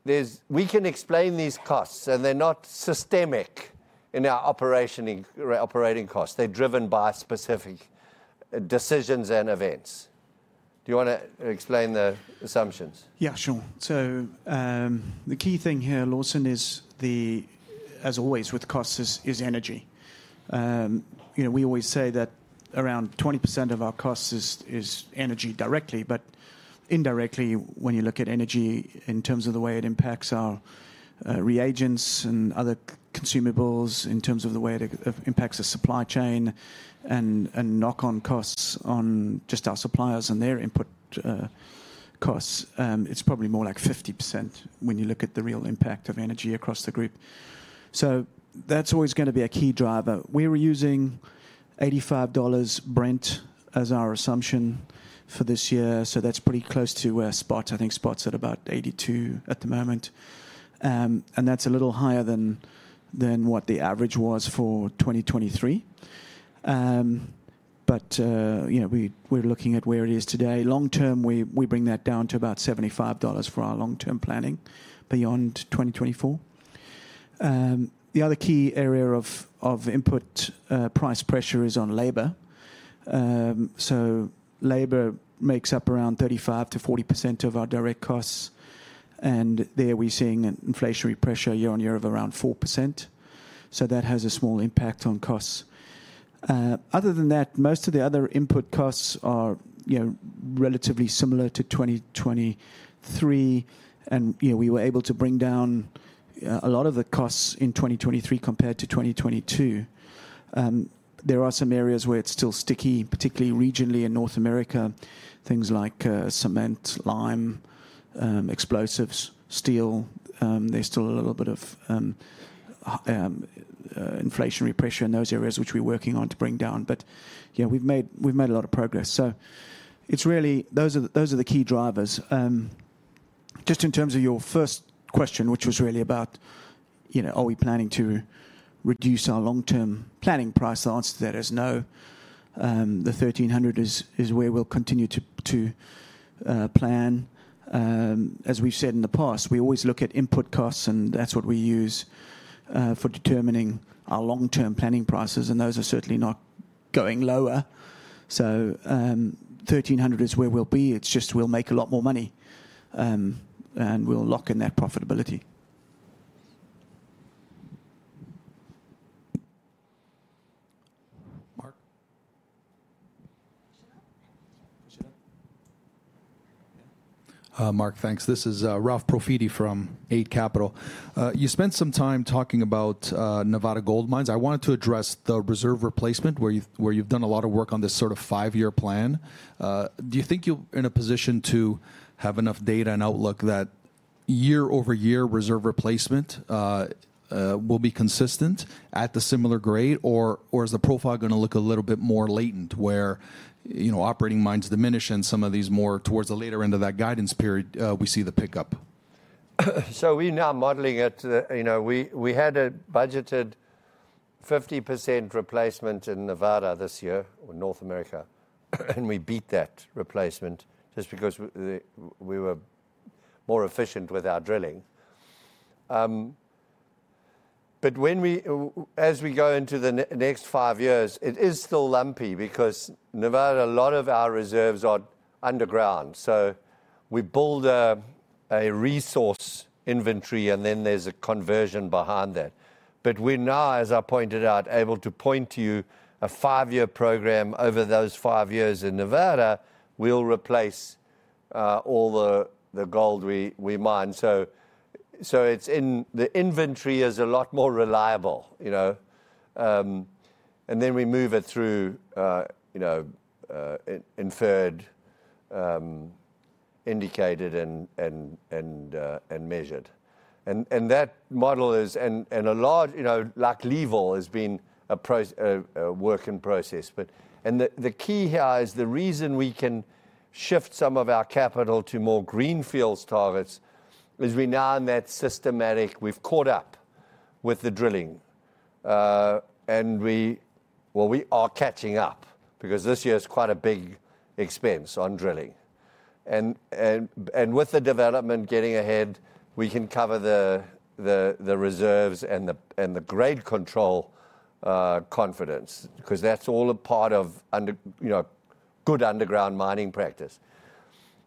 We can explain these costs, and they're not systemic in our operating costs. They're driven by specific decisions and events. Do you wanna explain the assumptions? Yeah, sure. So, the key thing here Lawson, is as always with costs, is energy. You know, we always say that around 20% of our costs is energy directly, but indirectly, when you look at energy in terms of the way it impacts our reagents and other consumables, in terms of the way it impacts the supply chain and knock-on costs on just our suppliers and their input costs, it's probably more like 50% when you look at the real impact of energy across the group. So that's always gonna be a key driver. We were using $85 Brent as our assumption for this year, so that's pretty close to spot. I think spot's at about $82 at the moment. And that's a little higher than what the average was for 2023. But, you know, we're looking at where it is today. Long term, we bring that down to about $75 for our long-term planning beyond 2024. The other key area of input price pressure is on labor. So labor makes up around 35%-40% of our direct costs, and there we're seeing an inflationary pressure year-on-year of around 4%, so that has a small impact on costs. Other than that, most of the other input costs are, you know, relatively similar to 2023, and you know, we were able to bring down a lot of the costs in 2023 compared to 2022. There are some areas where it's still sticky, particularly regionally in North America, things like cement, lime, explosives, steel. There's still a little bit of inflationary pressure in those areas, which we're working on to bring down. But, you know, we've made a lot of progress. So it's really those are the key drivers. Just in terms of your first question, which was really about, you know, are we planning to reduce our long-term planning price? The answer to that is no. The $1,300 is where we'll continue to plan. As we've said in the past, we always look at input costs, and that's what we use for determining our long-term planning prices, and those are certainly not going lower. So, $1,300 is where we'll be. It's just we'll make a lot more money, and we'll lock in that profitability. Mark, thanks. This is Ralph Profiti from Eight Capital. You spent some time talking about Nevada Gold Mines. I wanted to address the reserve replacement, where you've done a lot of work on this sort of five-year plan. Do you think you're in a position to have enough data and outlook that year-over-year reserve replacement will be consistent at the similar grade, or is the profile gonna look a little bit more latent, where, you know, operating mines diminish and some of these more towards the later end of that guidance period, we see the pickup? So we're now modeling it. You know, we had a budgeted 50% replacement in Nevada this year, or North America, and we beat that replacement just because we were more efficient with our drilling. But when we go into the next five years, it is still lumpy because Nevada, a lot of our reserves are underground, so we build a resource inventory, and then there's a conversion behind that. But we're now, as I pointed out, able to point to you a five-year program. Over those five years in Nevada, we'll replace all the gold we mine. So it's in... The inventory is a lot more reliable, you know. And then we move it through, you know, inferred, indicated, and measured. And that model is a large, you know, like Leeville has been a process, a work in process. But and the key here is, the reason we can shift some of our capital to more greenfields targets is we're now in that systematic we've caught up with the drilling. Well, we are catching up, because this year is quite a big expense on drilling. And with the development getting ahead, we can cover the reserves and the grade control confidence, 'cause that's all a part of underground, you know, good underground mining practice.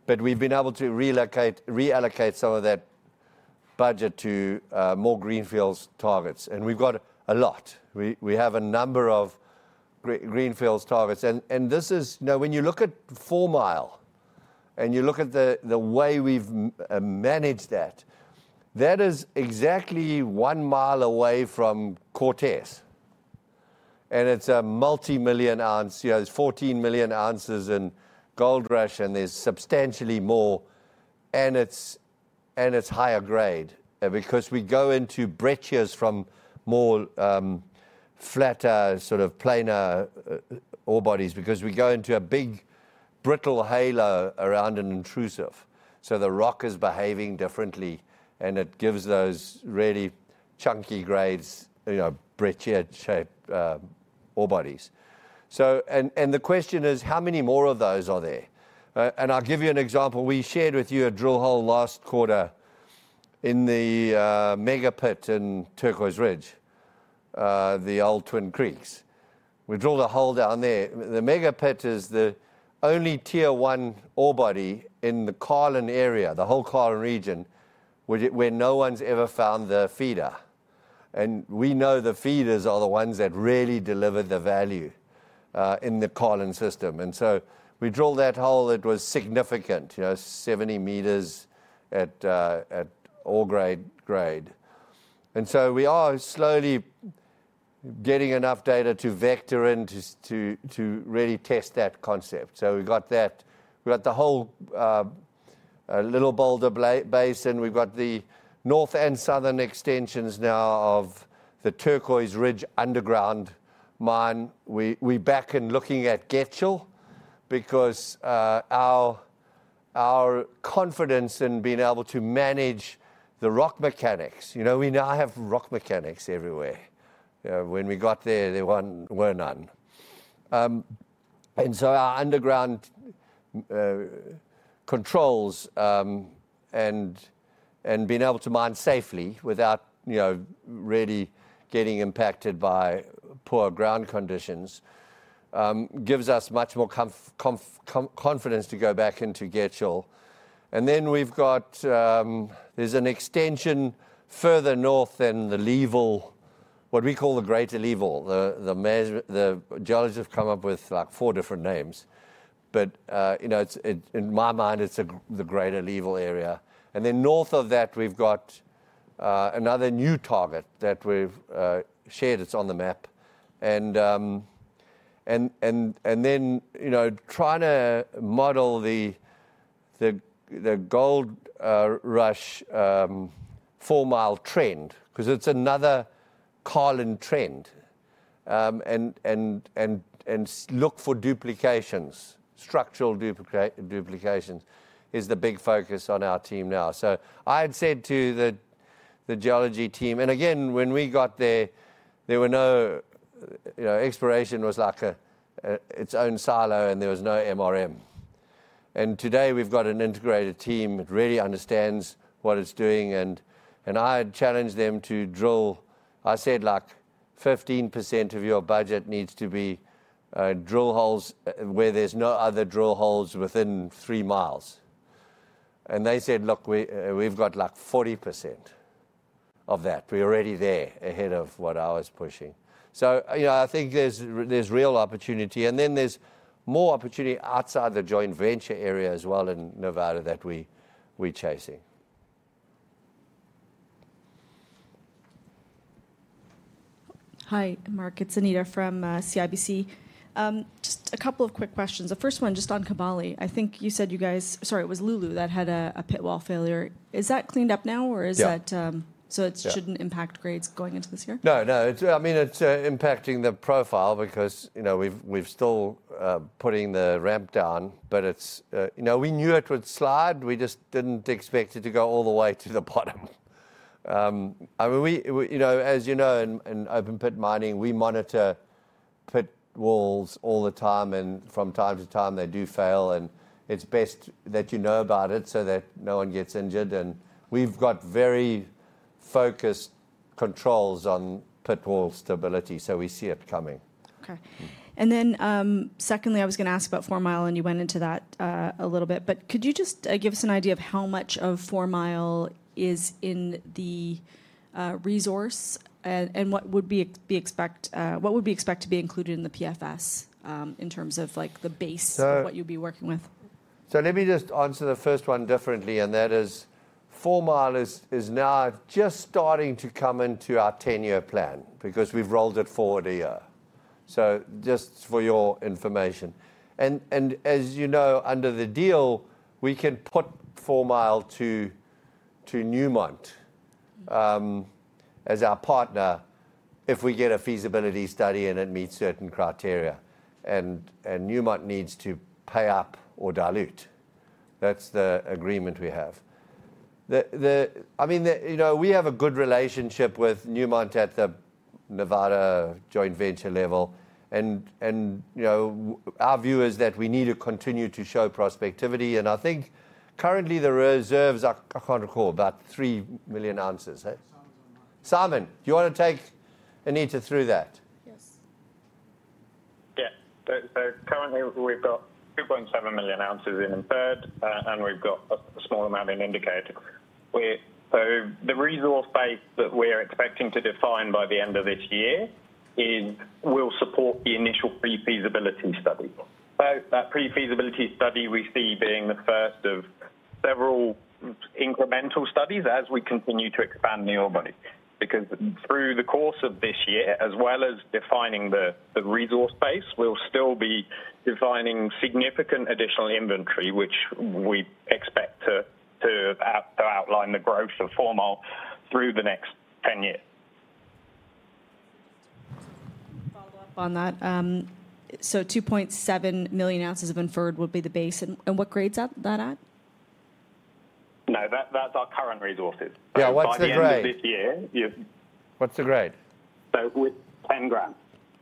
But we've been able to reallocate some of that budget to more greenfields targets, and we've got a lot. We have a number of greenfields targets. Now, when you look at Fourmile and you look at the way we've managed that, that is exactly one mile away from Cortez, and it's a multimillion ounce. You know, there's 14 million ounces in Goldrush, and there's substantially more, and it's higher grade. Because we go into breccias from more flatter, sort of planar ore bodies, because we go into a big, brittle halo around an intrusive. So the rock is behaving differently, and it gives those really chunky grades, you know, breccia shape ore bodies. And the question is, how many more of those are there? And I'll give you an example. We shared with you a drill hole last quarter in the mega pit in Turquoise Ridge, the old Twin Creeks. We drilled a hole down there. The mega pit is the only Tier One ore body in the Carlin area, the whole Carlin region, where no one's ever found the feeder. And we know the feeders are the ones that really deliver the value in the Carlin system. And so we drilled that hole, it was significant, you know, 70 meters at ore grade. And so we are slowly getting enough data to vector and to really test that concept. So we've got that. We've got the whole Little Boulder Basin, we've got the north and southern extensions now of the Turquoise Ridge underground mine. We're back and looking at Getchell, because our confidence in being able to manage the rock mechanics. You know, we now have rock mechanics everywhere. When we got there, there weren't, were none. And so our underground controls, and being able to mine safely without, you know, really getting impacted by poor ground conditions, gives us much more confidence to go back into Getchell. And then we've got, there's an extension further north than the Leeville, what we call the Greater Leeville. The geologists have come up with, like, four different names. But, you know, it's, in my mind, it's the Greater Leeville area. And then north of that, we've got another new target that we've shared. It's on the map. And then, you know, trying to model the gold rush, Fourmile trend, 'cause it's another Carlin trend. And look for duplications, structural duplications, is the big focus on our team now. So I'd said to the geology team. And again, when we got there, there were no, you know, exploration was like a its own silo, and there was no MRM. And today we've got an integrated team that really understands what it's doing, and I had challenged them to drill. I said, like, "15% of your budget needs to be drill holes where there's no other drill holes within three miles." And they said, "Look, we've got, like, 40% of that." We're already there, ahead of what I was pushing. So, you know, I think there's real opportunity, and then there's more opportunity outside the joint venture area as well in Nevada that we, we're chasing. Hi, Mark, it's Anita from CIBC. Just a couple of quick questions. The first one, just on Kibali. I think you said you guys—Sorry, it was Loulo that had a pit wall failure. Is that cleaned up now, or is that— Yeah. So it- Yeah... shouldn't impact grades going into this year? No, no, it's, I mean, it's impacting the profile because, you know, we've still putting the ramp down, but it's... You know, we knew it would slide; we just didn't expect it to go all the way to the bottom. I mean, we, you know, as you know, in open pit mining, we monitor pit walls all the time, and from time to time, they do fail, and it's best that you know about it so that no one gets injured. And we've got very focused controls on pit wall stability, so we see it coming. Okay and then, secondly, I was gonna ask about Fourmile, and you went into that a little bit. But could you just give us an idea of how much of Fourmile is in the resource? And what would we expect to be included in the PFS, in terms of, like, the base- So- of what you'd be working with? So let me just answer the first one differently, and that is, Fourmile is now just starting to come into our 10-year plan, because we've rolled it forward a year. So just for your information. And as you know, under the deal, we can put Fourmile to Newmont as our partner, if we get a feasibility study and it meets certain criteria. And Newmont needs to pay up or dilute. That's the agreement we have. I mean, you know, we have a good relationship with Newmont at the Nevada joint venture level and our view is that we need to continue to show prospectivity. And I think currently the reserves are, I can't recall, about 3 million ounces, eh? Simon. Simon, you wanna take Anita through that? Yes. Yeah. So, so currently we've got 2.7 million ounces in inferred, and we've got a small amount in indicated. So the resource base that we're expecting to define by the end of this year will support the initial pre-feasibility study. So that pre-feasibility study we see being the first of several incremental studies as we continue to expand the ore body. Because through the course of this year, as well as defining the resource base, we'll still be defining significant additional inventory, which we expect to outline the growth of Fourmile through the next 10 years. Follow up on that. So 2.7 million ounces of inferred would be the base, and what grade's that at? No, that's our current resources. Yeah, what's the grade? By the end of this year, you- What's the grade? We're 10 gram.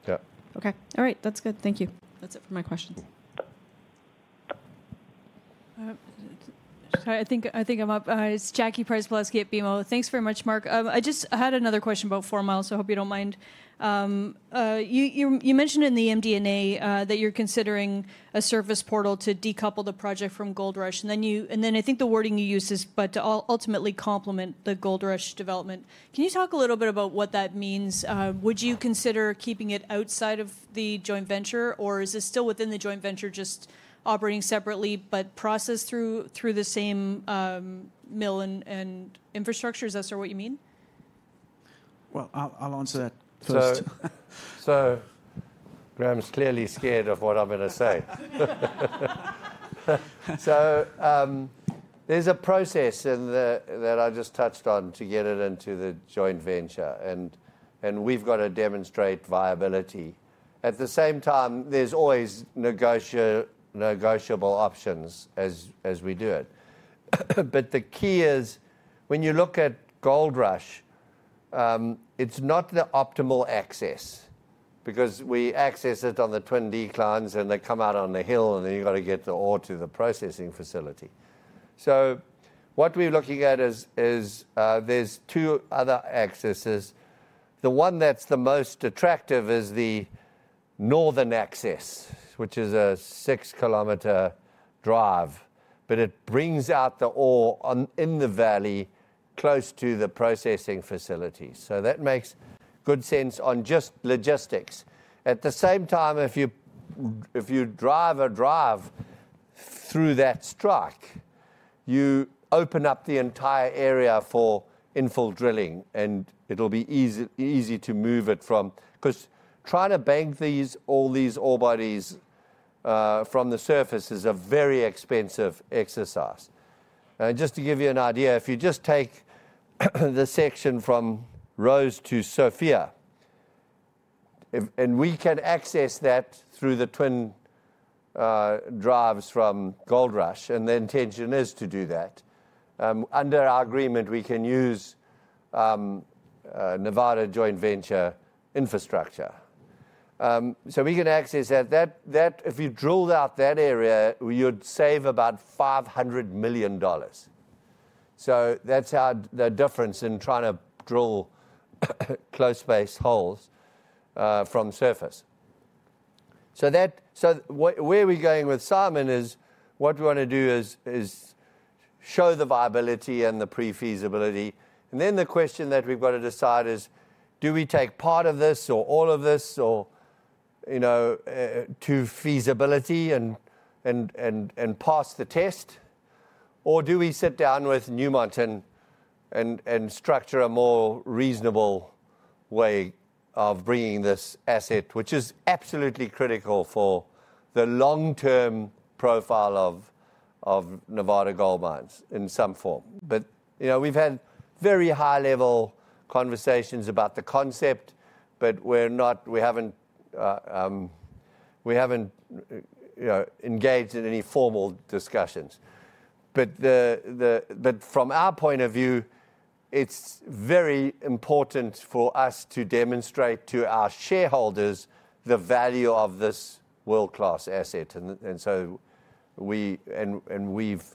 Yeah. Okay. All right, that's good. Thank you. That's it for my questions. Sorry, I think, I think I'm up. It's Jackie Przybylowski at BMO. Thanks very much, Mark. I just had another question about Fourmile, so I hope you don't mind. You mentioned in the MD&A that you're considering a service portal to decouple the project from Goldrush, and then you and then I think the wording you used is, "but to ultimately complement the Goldrush development." Can you talk a little bit about what that means? Would you consider keeping it outside of the joint venture, or is this still within the joint venture, just operating separately, but processed through the same mill and infrastructure? Is that sort of what you mean? Well, I'll answer that first. So, Graham's clearly scared of what I'm gonna say. So, there's a process in the that I just touched on to get it into the joint venture, and we've got to demonstrate viability. At the same time, there's always negotiable options as we do it. But the key is, when you look at Goldrush, it's not the optimal access, because we access it on the twin declines, and they come out on the hill, and then you've got to get the ore to the processing facility. So what we're looking at is there's two other accesses. The one that's the most attractive is the northern access, which is a 6-kilometer drive, but it brings out the ore in the valley, close to the processing facility. So that makes good sense on just logistics. At the same time, if you drive a drive through that strike, you open up the entire area for infill drilling, and it'll be easy, easy to move it from 'Cause trying to bank these, all these ore bodies, from the surface is a very expensive exercise. And just to give you an idea, if you just take the section from Rose to Sofia, and we can access that through the twin drives from Goldrush, and the intention is to do that. Under our agreement, we can use Nevada joint venture infrastructure. So we can access that. That, if you drilled out that area, you'd save about $500 million. So that's how the difference in trying to drill close-faced holes from surface. So that, so where we're going with Simon is, what we want to do is show the viability and the pre-feasibility. And then the question that we've got to decide is, do we take part of this or all of this or, you know, to feasibility and pass the test? Or do we sit down with Newmont and structure a more reasonable way of bringing this asset, which is absolutely critical for the long-term profile of Nevada Gold Mines in some form. But, you know, we've had very high-level conversations about the concept, but we're not- we haven't, we haven't, you know, engaged in any formal discussions. But the, the but from our point of view, it's very important for us to demonstrate to our shareholders the value of this world-class asset, and so we've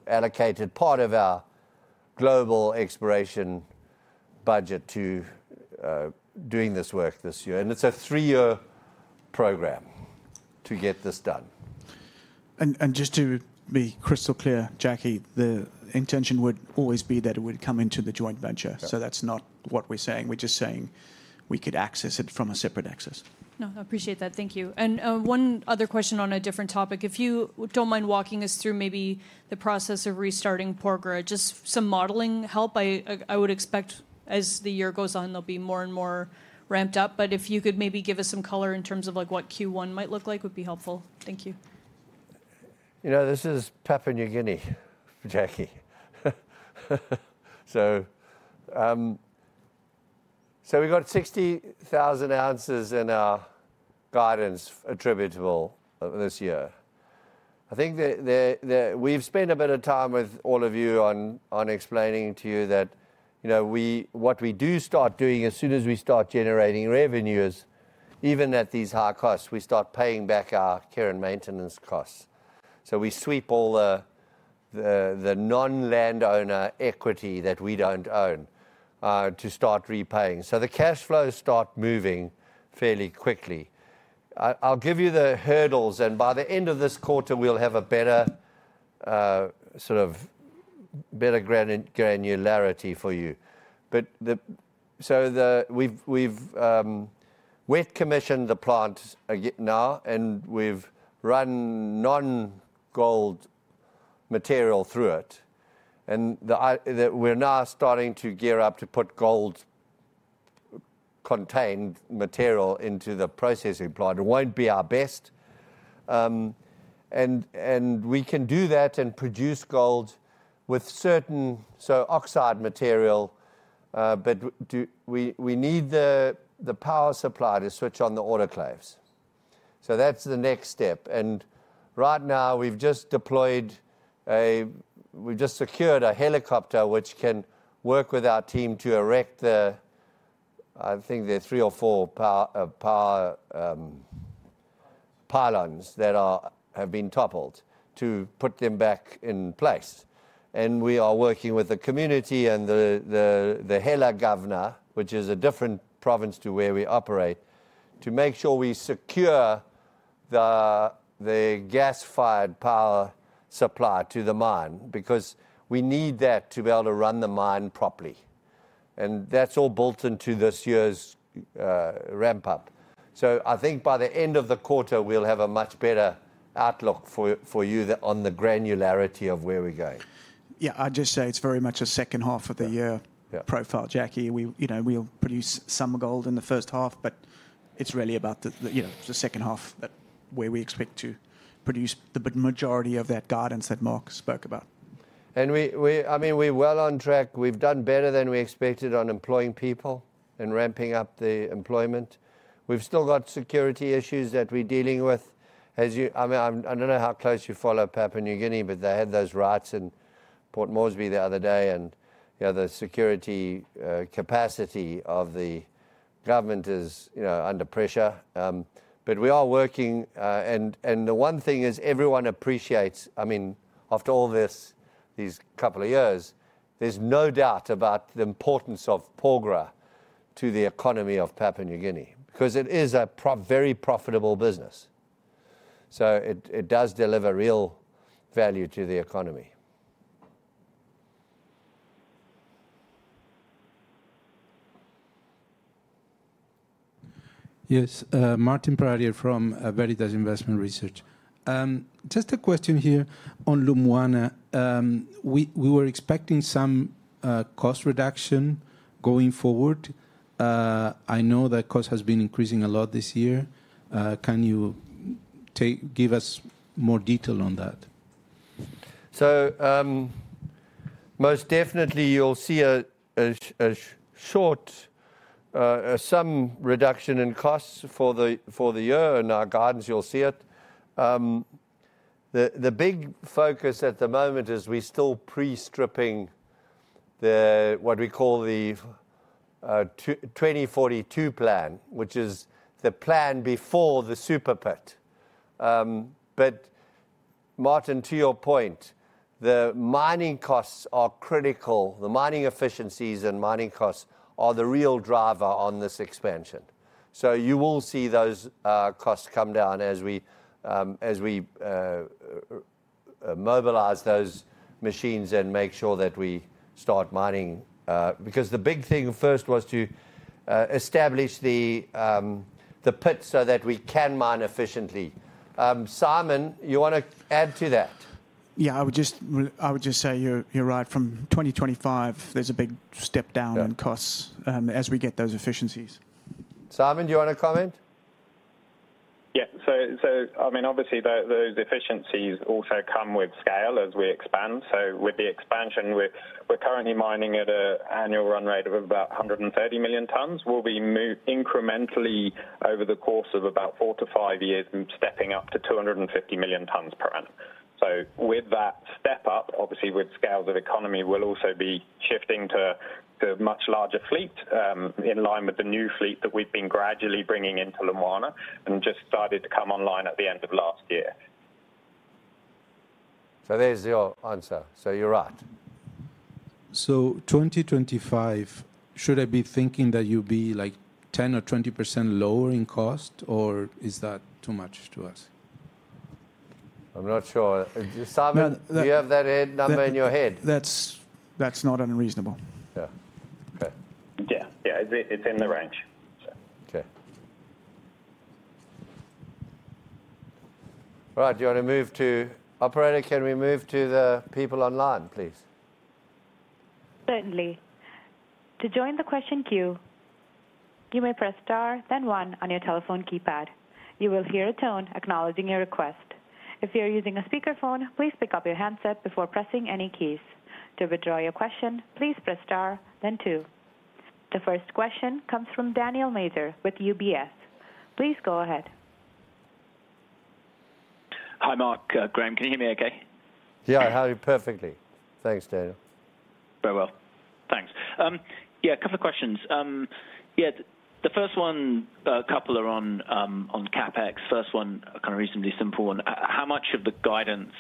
allocated part of our global exploration budget to doing this work this year. It's a three-year program to get this done. Just to be crystal clear, Jackie, the intention would always be that it would come into the joint venture. That's not what we're saying. We're just saying we could access it from a separate access. No, I appreciate that. Thank you. And, one other question on a different topic. If you don't mind walking us through maybe the process of restarting Porgera. Just some modeling help I, I would expect as the year goes on, they'll be more and more ramped up. But if you could maybe give us some color in terms of like, what Q1 might look like, would be helpful. Thank you. You know, this is Papua New Guinea, Jackie. So, we've got 60,000 ounces in our guidance attributable this year. I think that we've spent a bit of time with all of you on explaining to you that, you know, what we do start doing as soon as we start generating revenue is, even at these high costs, we start paying back our care and maintenance costs. So we sweep all the non-landowner equity that we don't own to start repaying. So the cash flows start moving fairly quickly. I'll give you the hurdles, and by the end of this quarter, we'll have a better sort of better granularity for you. But so we've commissioned the plant now, and we've run non-gold material through it. And, we're now starting to gear up to put gold-contained material into the processing plant. It won't be our best, and we can do that and produce gold with certain, so oxide material, but we need the power supply to switch on the autoclaves. So that's the next step. And right now, we've just secured a helicopter which can work with our team to erect them. I think there are 3 or 4 power pylons that have been toppled, to put them back in place. And we are working with the community and the Hela Governor, which is a different province to where we operate, to make sure we secure the gas-fired power supply to the mine, because we need that to be able to run the mine properly. That's all built into this year's ramp up. So I think by the end of the quarter, we'll have a much better outlook for you on the granularity of where we're going. Yeah, I'd just say it's very much a second half of the year- Yeah Profile, Jackie. We, you know, we'll produce some gold in the first half, but it's really about the, you know, the second half where we expect to produce the majority of that guidance that Mark spoke about. And we I mean, we're well on track. We've done better than we expected on employing people and ramping up the employment. We've still got security issues that we're dealing with. As you—I mean, I don't know how close you follow Papua New Guinea, but they had those riots in Port Moresby the other day, and you know, the security capacity of the government is you know, under pressure. But we are working, and the one thing is everyone appreciates, I mean after all this, these couple of years, there's no doubt about the importance of Porgera to the economy of Papua New Guinea, because it is a very profitable business. So it, it does deliver real value to the economy. Yes, Martin Pradier from Veritas Investment Research. Just a question here on Lumwana. We were expecting some cost reduction going forward. I know that cost has been increasing a lot this year. Can you give us more detail on that? So, most definitely, you'll see short some reduction in costs for the year. In our guidance, you'll see it. The big focus at the moment is we're still pre-stripping what we call the 2042 plan, which is the plan before the super pit. But Martin, to your point, the mining costs are critical. The mining efficiencies and mining costs are the real driver on this expansion. So you will see those costs come down as we mobilize those machines and make sure that we start mining. Because the big thing first was to establish the pit so that we can mine efficiently. Simon, you want to add to that? Yeah, I would just say you're, you're right. From 2025, there's a big step down- Yeah... in costs, as we get those efficiencies. Simon, do you want to comment? Yeah. So, I mean, obviously, those efficiencies also come with scale as we expand. So with the expansion, we're currently mining at an annual run rate of about 130 million tons. We'll be incrementally, over the course of about 4-5 years, stepping up to 250 million tons per annum. So with that step up, obviously with scales of economy, we'll also be shifting to a much larger fleet in line with the new fleet that we've been gradually bringing into Lumwana, and just started to come online at the end of last year. There's your answer. So you're right. So 2025, should I be thinking that you'll be like, 10% or 20% lower in cost, or is that too much to ask? I'm not sure. Simon- No, the- Do you have that end number in your head? That's not unreasonable. Yeah. Okay. Yeah, yeah, it's, it's in the range. So... Okay. Right, do you want to move to... Operator, can we move to the people online, please? Certainly. To join the question queue, you may press Star, then One on your telephone keypad. You will hear a tone acknowledging your request. If you are using a speakerphone, please pick up your handset before pressing any keys. To withdraw your question, please press Star, then Two. The first question comes from Daniel Major with UBS. Please go ahead. Hi, Mark, Graham. Can you hear me okay? Yeah, I hear you perfectly. Thanks, Daniel. Very well. Thanks. Yeah, a couple of questions. Yeah, the first one, a couple are on CapEx. First one, kind of reasonably simple one. How much of the guidance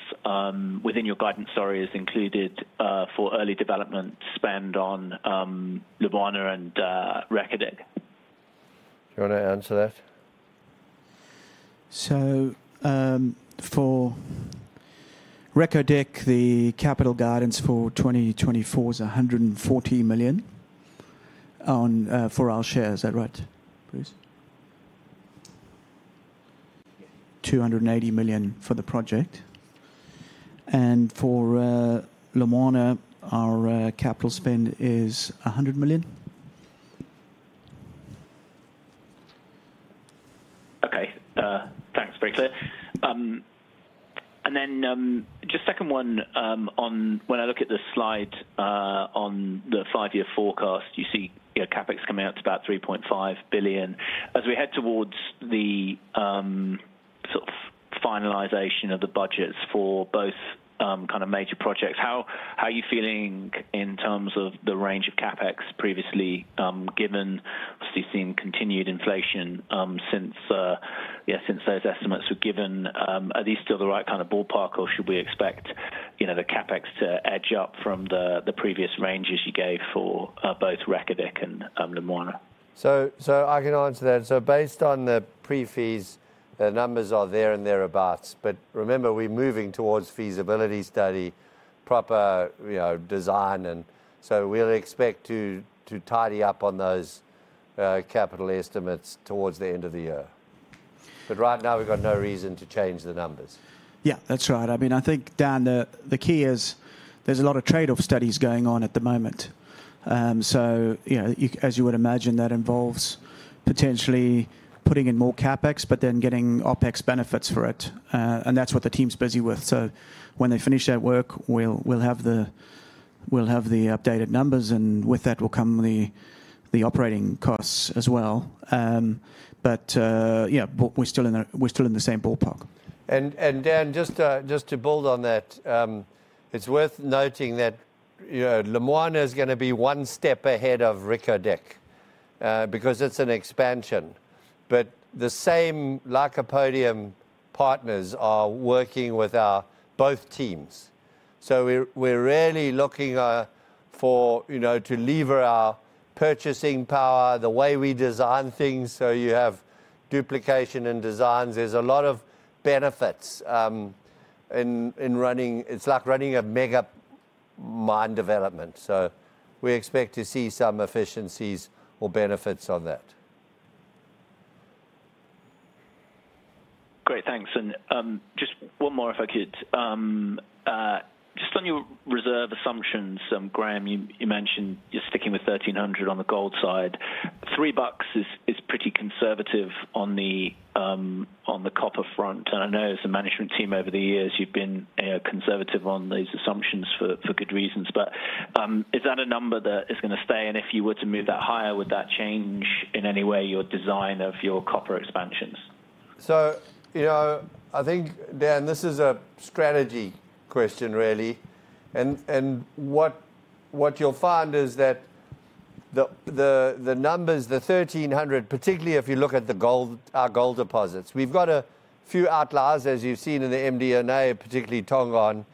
within your guidance, sorry, is included for early development spend on Lumwana and Reko Diq? Do you want to answer that? So, for Reko Diq, the capital guidance for 2024 is $140 million on for our share. Is that right, please? $280 million for the project. And for Lumwana, our capital spend is $100 million. Okay, thanks. Very clear. And then, just second one, on when I look at the slide, on the five-year forecast, you see, you know, CapEx coming out to about $3.5 billion. As we head towards the finalization of the budgets for both, kind of major projects. How, how are you feeling in terms of the range of CapEx previously, given obviously seeing continued inflation, since, yeah, since those estimates were given? Are these still the right kind of ballpark, or should we expect, you know, the CapEx to edge up from the, the previous ranges you gave for both Reko Diq and, Lumwana? So, I can answer that. So based on the pre-feas, the numbers are there and thereabouts. But remember, we're moving towards feasibility study, proper, you know, design, and so we'll expect to, to tidy up on those, capital estimates towards the end of the year. But right now, we've got no reason to change the numbers. Yeah, that's right. I mean, I think, Dan, the key is there's a lot of trade-off studies going on at the moment. So you know, as you would imagine, that involves potentially putting in more CapEx, but then getting OpEx benefits for it. And that's what the team's busy with. So when they finish that work, we'll have the updated numbers, and with that will come the operating costs as well. But yeah, but we're still in the same ballpark. Dan, just to build on that, it's worth noting that, you know, Lumwana is gonna be one step ahead of Reko Diq, because it's an expansion. But the same Lycopodium partners are working with both our teams. So we're really looking for you know, to leverage our purchasing power, the way we design things, so you have duplication in designs. There's a lot of benefits in running. It's like running a mega mine development. So we expect to see some efficiencies or benefits on that. Great, thanks. Just one more, if I could. Just on your reserve assumptions, Graham, you mentioned you're sticking with $1,300 on the gold side. $3 is pretty conservative on the copper front. And I know as a management team over the years, you've been conservative on these assumptions for good reasons. Is that a number that is gonna stay? And if you were to move that higher, would that change in any way your design of your copper expansions? So, you know I think, Dan, this is a strategy question, really. And what you'll find is that the numbers, the $1,300 particularly if you look at the gold, our gold deposits. We've got a few outliers, as you've seen in the MD&A, particularly Tongon,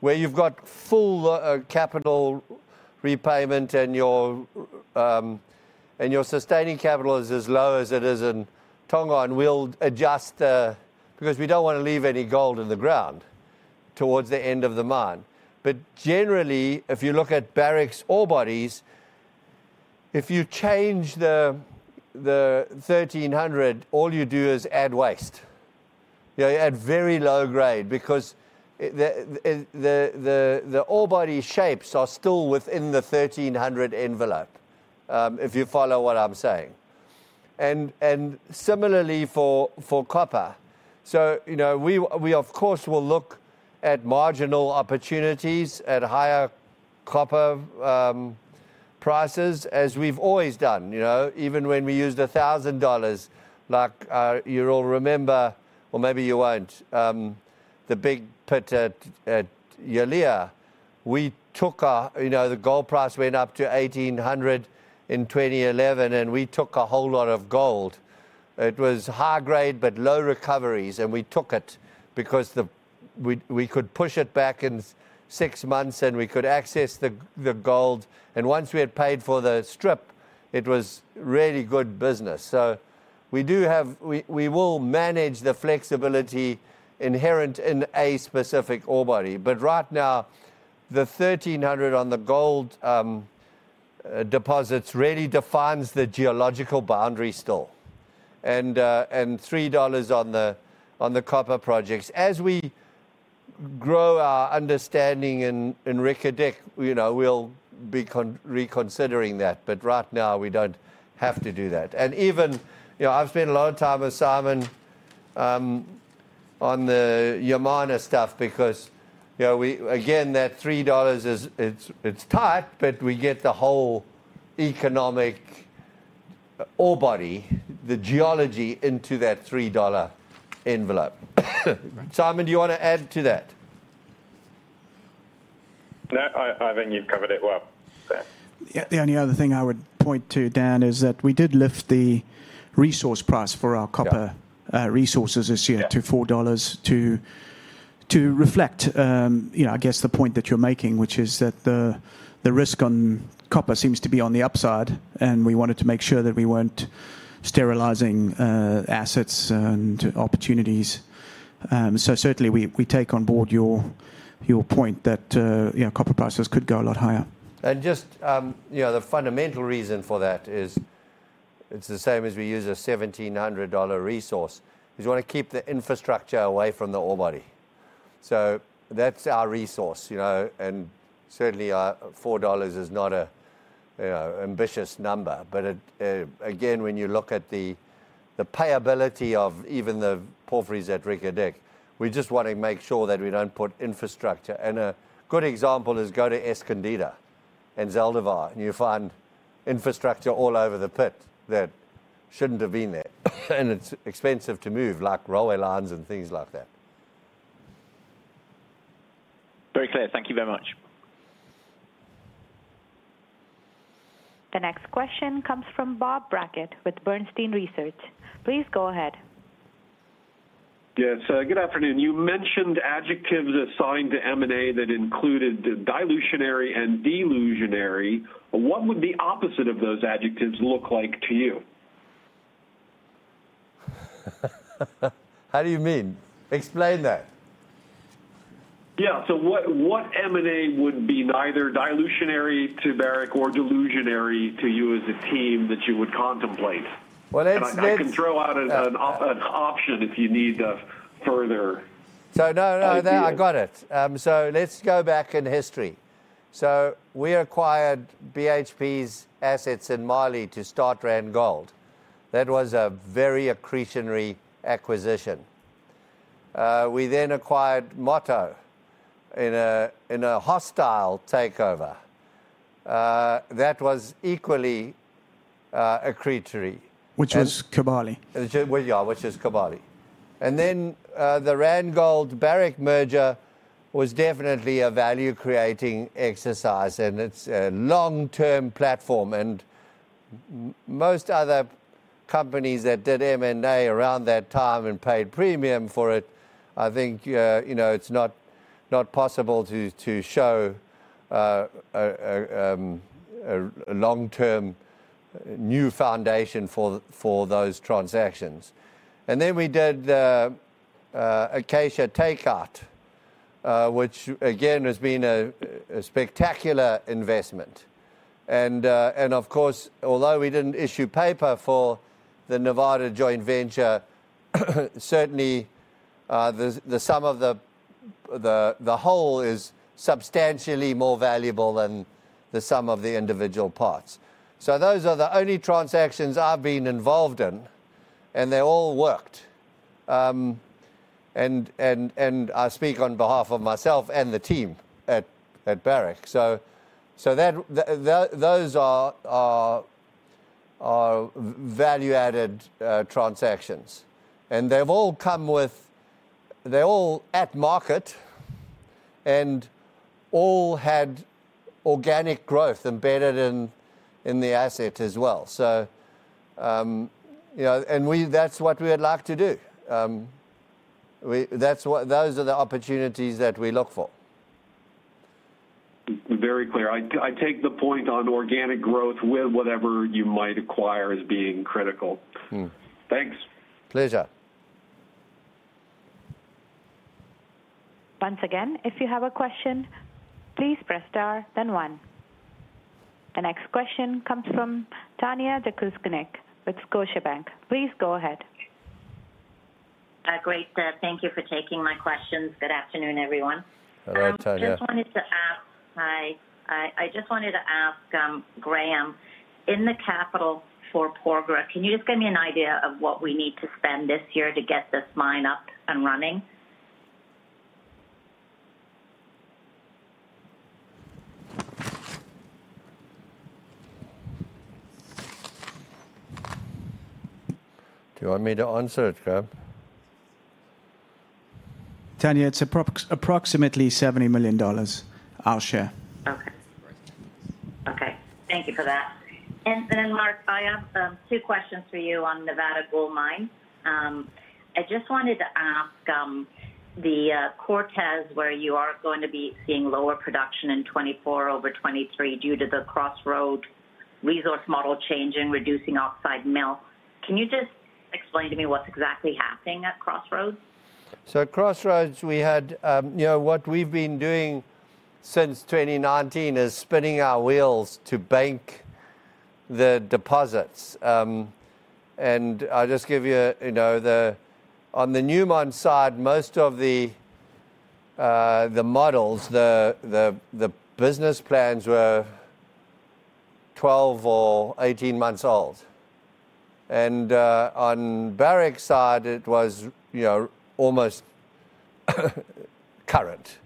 where you've got full capital repayment, and your sustaining capital is as low as it is in Tongon. We'll adjust, because we don't wanna leave any gold in the ground towards the end of the mine. But generally, if you look at Barrick's ore bodies, if you change the $1,300 all you do is add waste. You add very low grade because the ore body shapes are still within the $1,300 envelope, if you follow what I'm saying. And similarly for copper. So, you know, we of course will look at marginal opportunities at higher copper prices, as we've always done, you know. Even when we used $1,000 like you'll all remember, or maybe you won't, the big pit at Yalea. We took, you know, the gold price went up to $1,800 in 2011, and we took a whole lot of gold. It was high grade, but low recoveries, and we took it because we could push it back in 6 months, and we could access the gold. And once we had paid for the strip, it was really good business. So we do have. We will manage the flexibility inherent in a specific ore body. But right now, the $1,300 on the gold deposits really defines the geological boundary still, and three dollars on the copper projects. As we grow our understanding in Reko Diq, you know, we'll be reconsidering that, but right now, we don't have to do that. And even, you know, I've spent a lot of time with Simon on the Yamana stuff because, you know, we again, that three dollars is, it's, it's tight, but we get the whole economic ore body, the geology into that $3 envelope. Simon, do you want to add to that? No, I think you've covered it well, Thanks. Yeah, the only other thing I would point to, Dan, is that we did lift the resource price for our copper- Yeah... resources this year to $4 to reflect, you know, I guess the point that you're making, which is that the risk on copper seems to be on the upside, and we wanted to make sure that we weren't sterilizing assets and opportunities. So certainly, we take on board your point that, you know, copper prices could go a lot higher. Just, you know, the fundamental reason for that is it's the same as we use a $1,700 resource, is you wanna keep the infrastructure away from the ore body. So that's our resource, you know, and certainly, our $4 is not a, you know, ambitious number. But it, again, when you look at the payability of even the porphyries at Reko Diq, we just wanna make sure that we don't put infrastructure. And a good example is go to Escondida and Zaldivar, and you find infrastructure all over the pit that shouldn't have been there. And it's expensive to move, like railway lines and things like that. Very clear. Thank you very much. The next question comes from Bob Brackett with Bernstein Research. Please go ahead. Yes, good afternoon. You mentioned adjectives assigned to M&A that included dilutionary and delusionary. What would the opposite of those adjectives look like to you? How do you mean? Explain that. Yeah. So what, what M&A would be neither dilutive to Barrick or delusional to you as a team that you would contemplate? Well, it's... I can throw out an option if you need a further idea. So no, no, I got it. So let's go back in history. So we acquired BHP's assets in Mali to start Randgold. That was a very accretive acquisition. We then acquired Moto in a, in a hostile takeover, that was equally accretive. Which was Kibali. Which, yeah, which is Kibali. And then, the Randgold-Barrick merger was definitely a value-creating exercise, and it's a long-term platform. And most other companies that did M&A around that time and paid premium for it, I think, you know, it's not possible to show a long-term new foundation for those transactions. And then we did the Acacia takeout, which again, has been a spectacular investment. And, and of course, although we didn't issue paper for the Nevada joint venture, certainly, the sum of the whole is substantially more valuable than the sum of the individual parts. So those are the only transactions I've been involved in, and they all worked. And I speak on behalf of myself and the team at Barrick. So that those are value-added transactions, and they've all come with, they're all at market, and all had organic growth embedded in the asset as well. So, you know, and we-- That's what we would like to do. We-- That's what-- Those are the opportunities that we look for. Very clear. I take the point on organic growth with whatever you might acquire as being critical. Hmm. Thanks. Pleasure. Once again, if you have a question, please press Star, then One. The next question comes from Tanya Jakusconek with Scotiabank. Please go ahead. Great. Thank you for taking my questions. Good afternoon, everyone. Hello, Tanya. I just wanted to ask... Hi. I just wanted to ask Graham, in the capital for Porgera, can you just give me an idea of what we need to spend this year to get this mine up and running? Do you want me to answer it, Graham? Tanya, it's approximately $70 million, our share. Okay. Okay, thank you for that. And then, Mark, I have two questions for you on Nevada Gold Mines. I just wanted to ask, the Cortez, where you are going to be seeing lower production in 2024 over 2023 due to the Crossroad resource model change in reducing oxide mill. Can you just explain to me what's exactly happening at Crossroads? So at Crossroads, we had. You know, what we've been doing since 2019 is spinning our wheels to bank the deposits. And I'll just give you, you know. On the Newmont side, most of the models, the business plans were 12 or 18 months old. On Barrick's side, it was, you know, almost current,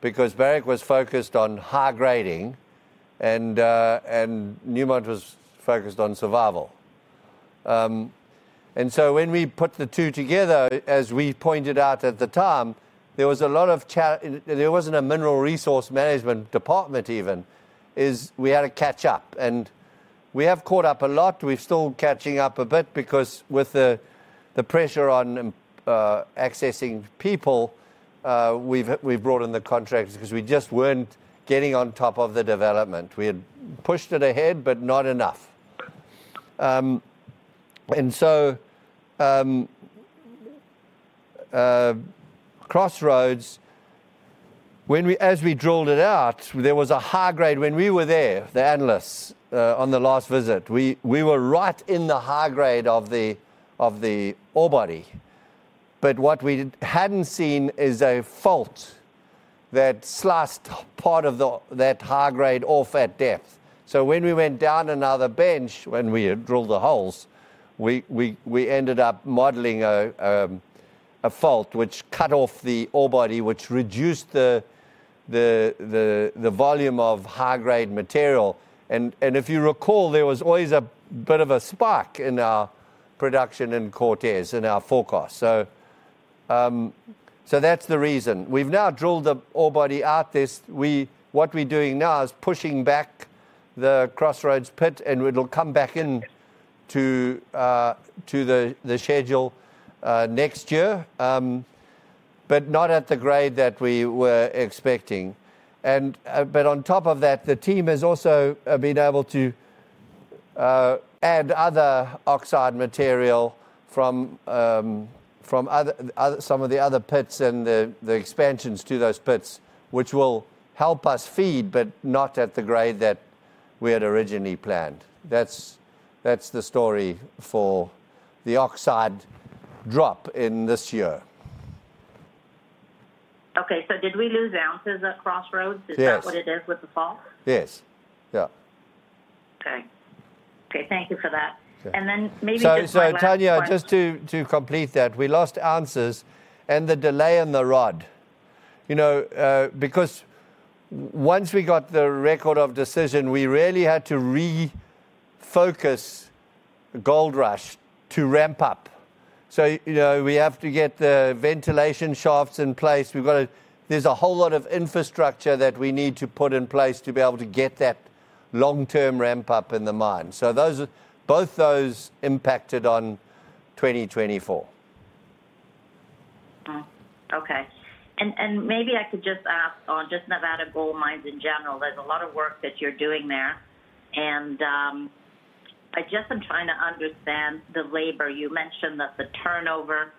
because Barrick was focused on high grading, and Newmont was focused on survival. So when we put the two together, as we pointed out at the time, there was a lot of chat. There wasn't a mineral resource management department even, is we had to catch up. We have caught up a lot. We're still catching up a bit because with the pressure on accessing people, we've brought in the contracts because we just weren't getting on top of the development. We had pushed it ahead, but not enough. Crossroads, as we drilled it out, there was a high grade. When we were there, the analysts on the last visit, we were right in the high grade of the ore body. But what we hadn't seen is a fault that sliced part of that high grade off at depth. So when we went down another bench, when we had drilled the holes, we ended up modeling a fault which cut off the ore body, which reduced the volume of high-grade material. If you recall, there was always a bit of a spike in our production in Cortez, in our forecast. So that's the reason. We've now drilled the ore body out this. What we're doing now is pushing back the Crossroads pit, and it'll come back in to the schedule next year, but not at the grade that we were expecting. But on top of that, the team has also been able to add other oxide material from some of the other pits and the expansions to those pits, which will help us feed, but not at the grade that we had originally planned. That's the story for the oxide drop in this year. Okay, so did we lose ounces at Crossroads? Yes. Is that what it is, with the fault? Yes. Yeah. Okay. Okay, thank you for that. Sure. And then maybe just my last one- So, Tanya, just to complete that, we lost ounces and the delay in the ROD. You know, because once we got the record of decision, we really had to refocus Goldrush to ramp up. So, you know, we have to get the ventilation shafts in place. We've got to, there's a whole lot of infrastructure that we need to put in place to be able to get that long-term ramp up in the mine. So those are, both those impacted on 2024. Okay. And maybe I could just ask on just Nevada Gold Mines in general, there's a lot of work that you're doing there, and I just am trying to understand the labor. You mentioned that the turnover,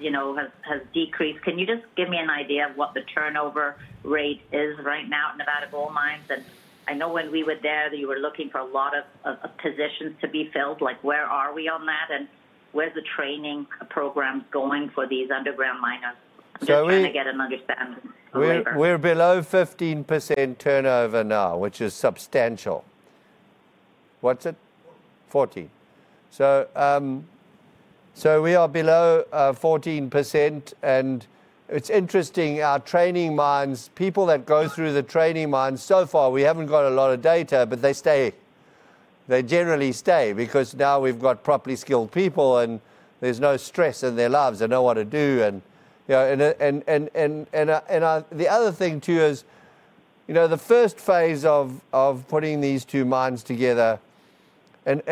you know, has decreased. Can you just give me an idea of what the turnover rate is right now in Nevada Gold Mines? And I know when we were there that you were looking for a lot of positions to be filled. Like, where are we on that, and where's the training program going for these underground miners? So we- I'm just trying to get an understanding of labor. We're below 15% turnover now, which is substantial. What's it? 14. So, so we are below 14%, and it's interesting, our training mines, people that go through the training mines, so far, we haven't got a lot of data, but they stay. They generally stay, because now we've got properly skilled people, and there's no stress in their lives. They know what to do and you know, and... The other thing too is you know, the first phase of putting these two mines together, and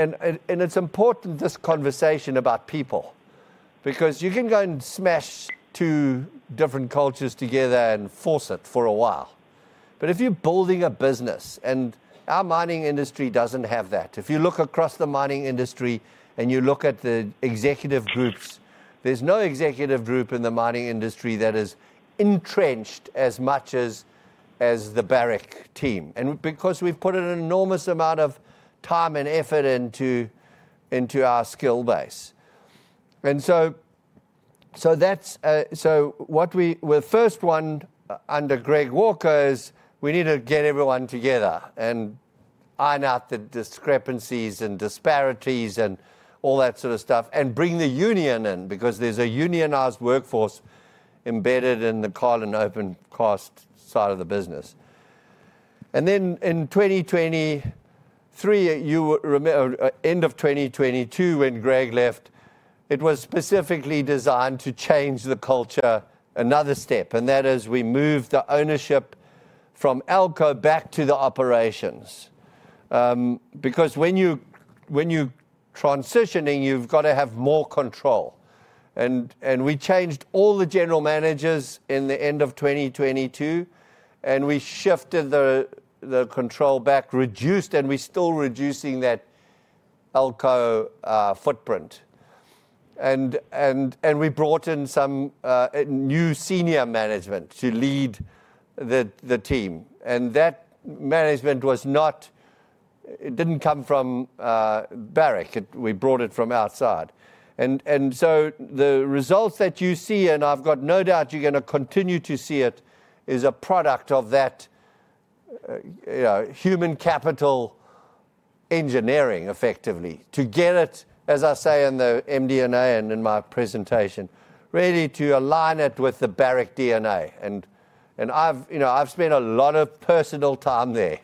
it's important, this conversation about people, because you can go and smash two different cultures together and force it for a while. But if you're building a business, and our mining industry doesn't have that. If you look across the mining industry, and you look at the executive groups, there's no executive group in the mining industry that is entrenched as much as the Barrick team. And because we've put an enormous amount of time and effort into our skill base. And so that's what we well, first one under Greg Walker is we need to get everyone together and iron out the discrepancies and disparities and all that sort of stuff, and bring the union in, because there's a unionized workforce embedded in the Carlin open cost side of the business. And then in 2023, you would remember, end of 2022, when Greg left, it was specifically designed to change the culture another step, and that is we moved the ownership from Elko back to the operations. Because when you, when you're transitioning, you've got to have more control. And we changed all the general managers in the end of 2022, and we shifted the control back reduced and we're still reducing that Elko footprint. And we brought in some new senior management to lead the team, and that management was not- it didn't come from Barrick. It- we brought it from outside. And so the results that you see, and I've got no doubt you're gonna continue to see it, is a product of that, you know, human capital engineering, effectively. To get it, as I say in the MD&A and in my presentation, really to align it with the Barrick DNA. And I've, you know, I've spent a lot of personal time there,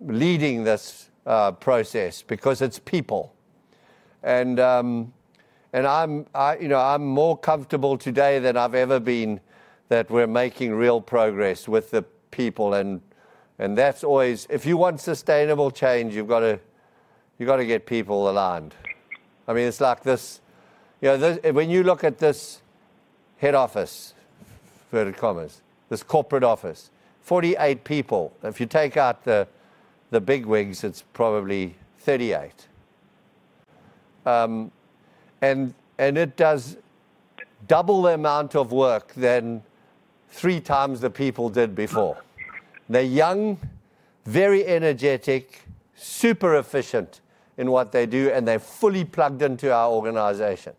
leading this process because it's people. I'm more comfortable today than I've ever been that we're making real progress with the people, and that's always- if you want sustainable change, you've got to get people aligned. I mean, it's like this, you know, when you look at this head office, inverted commas, this corporate office, 48 people, if you take out the big wigs, it's probably 38. And it does double the amount of work than three times the people did before. They're young, very energetic, super efficient in what they do, and they're fully plugged into our organization.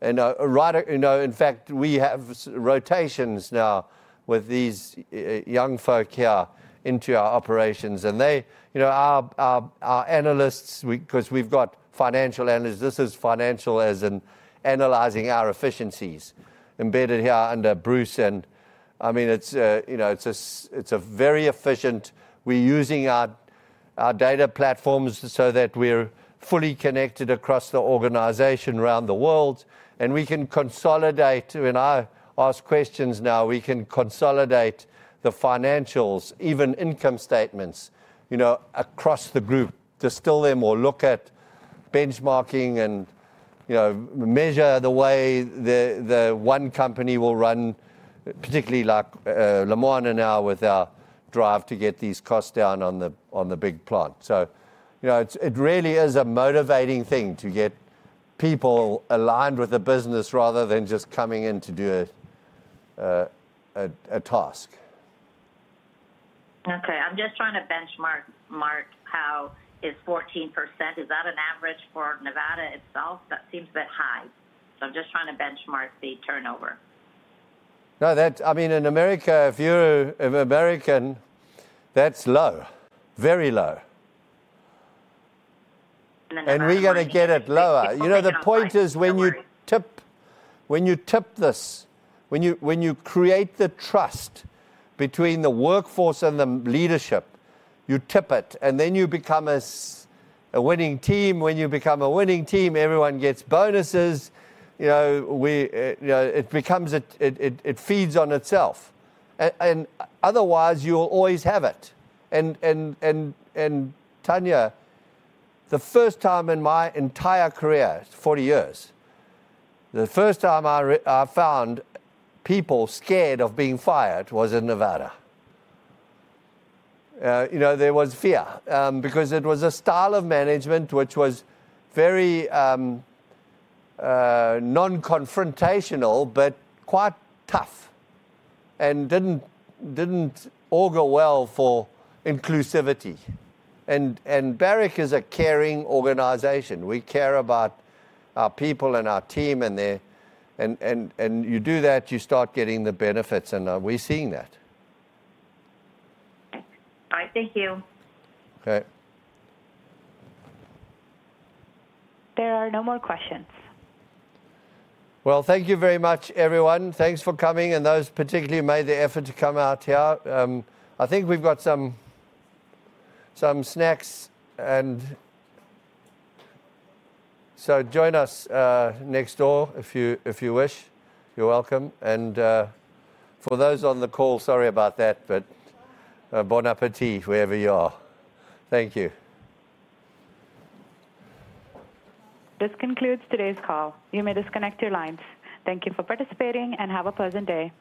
Right, you know, in fact, we have rotations now with these young folk here into our operations. And they, you know, our analysts, we-- 'cause we've got financial analysts. This is financial as in analyzing our efficiencies, embedded here under Bruce. I mean it's, you know, it's a very efficient. We're using our data platforms so that we're fully connected across the organization around the world, and we can consolidate. When I ask questions now, we can consolidate the financials, even income statements, you know, across the group, distill them, or look at benchmarking and, you know, measure the way the one company will run, particularly like Lemoine and now with our drive to get these costs down on the big plant. So, you know, it's really a motivating thing to get people aligned with the business rather than just coming in to do a task. Okay. I'm just trying to benchmark, Mark, how is 14%, is that an average for Nevada itself? That seems a bit high. So I'm just trying to benchmark the turnover. No, that's. I mean, in America, if you're an American, that's low, very low. And then- We're gonna get it lower. You know, the point is, when you tip this, when you create the trust between the workforce and the leadership, you tip it, and then you become a winning team. When you become a winning team, everyone gets bonuses. You know we, you know, it becomes it, it feeds on itself. And otherwise, you will always have it. And Tanya, the first time in my entire career, 40 years, the first time I found people scared of being fired was in Nevada. You know, there was fear, because it was a style of management, which was very non-confrontational, but quite tough and didn't all go well for inclusivity. And Barrick is a caring organization. We care about our people and our team, and they and you do that, you start getting the benefits, and we're seeing that. All right, thank you. Okay. There are no more questions. Well, thank you very much, everyone. Thanks for coming and those particularly who made the effort to come out here. I think we've got some snacks and... So join us next door if you wish. You're welcome. And, for those on the call, sorry about that, but, bon appétit, wherever you are. Thank you. This concludes today's call. You may disconnect your lines. Thank you for participating, and have a pleasant day.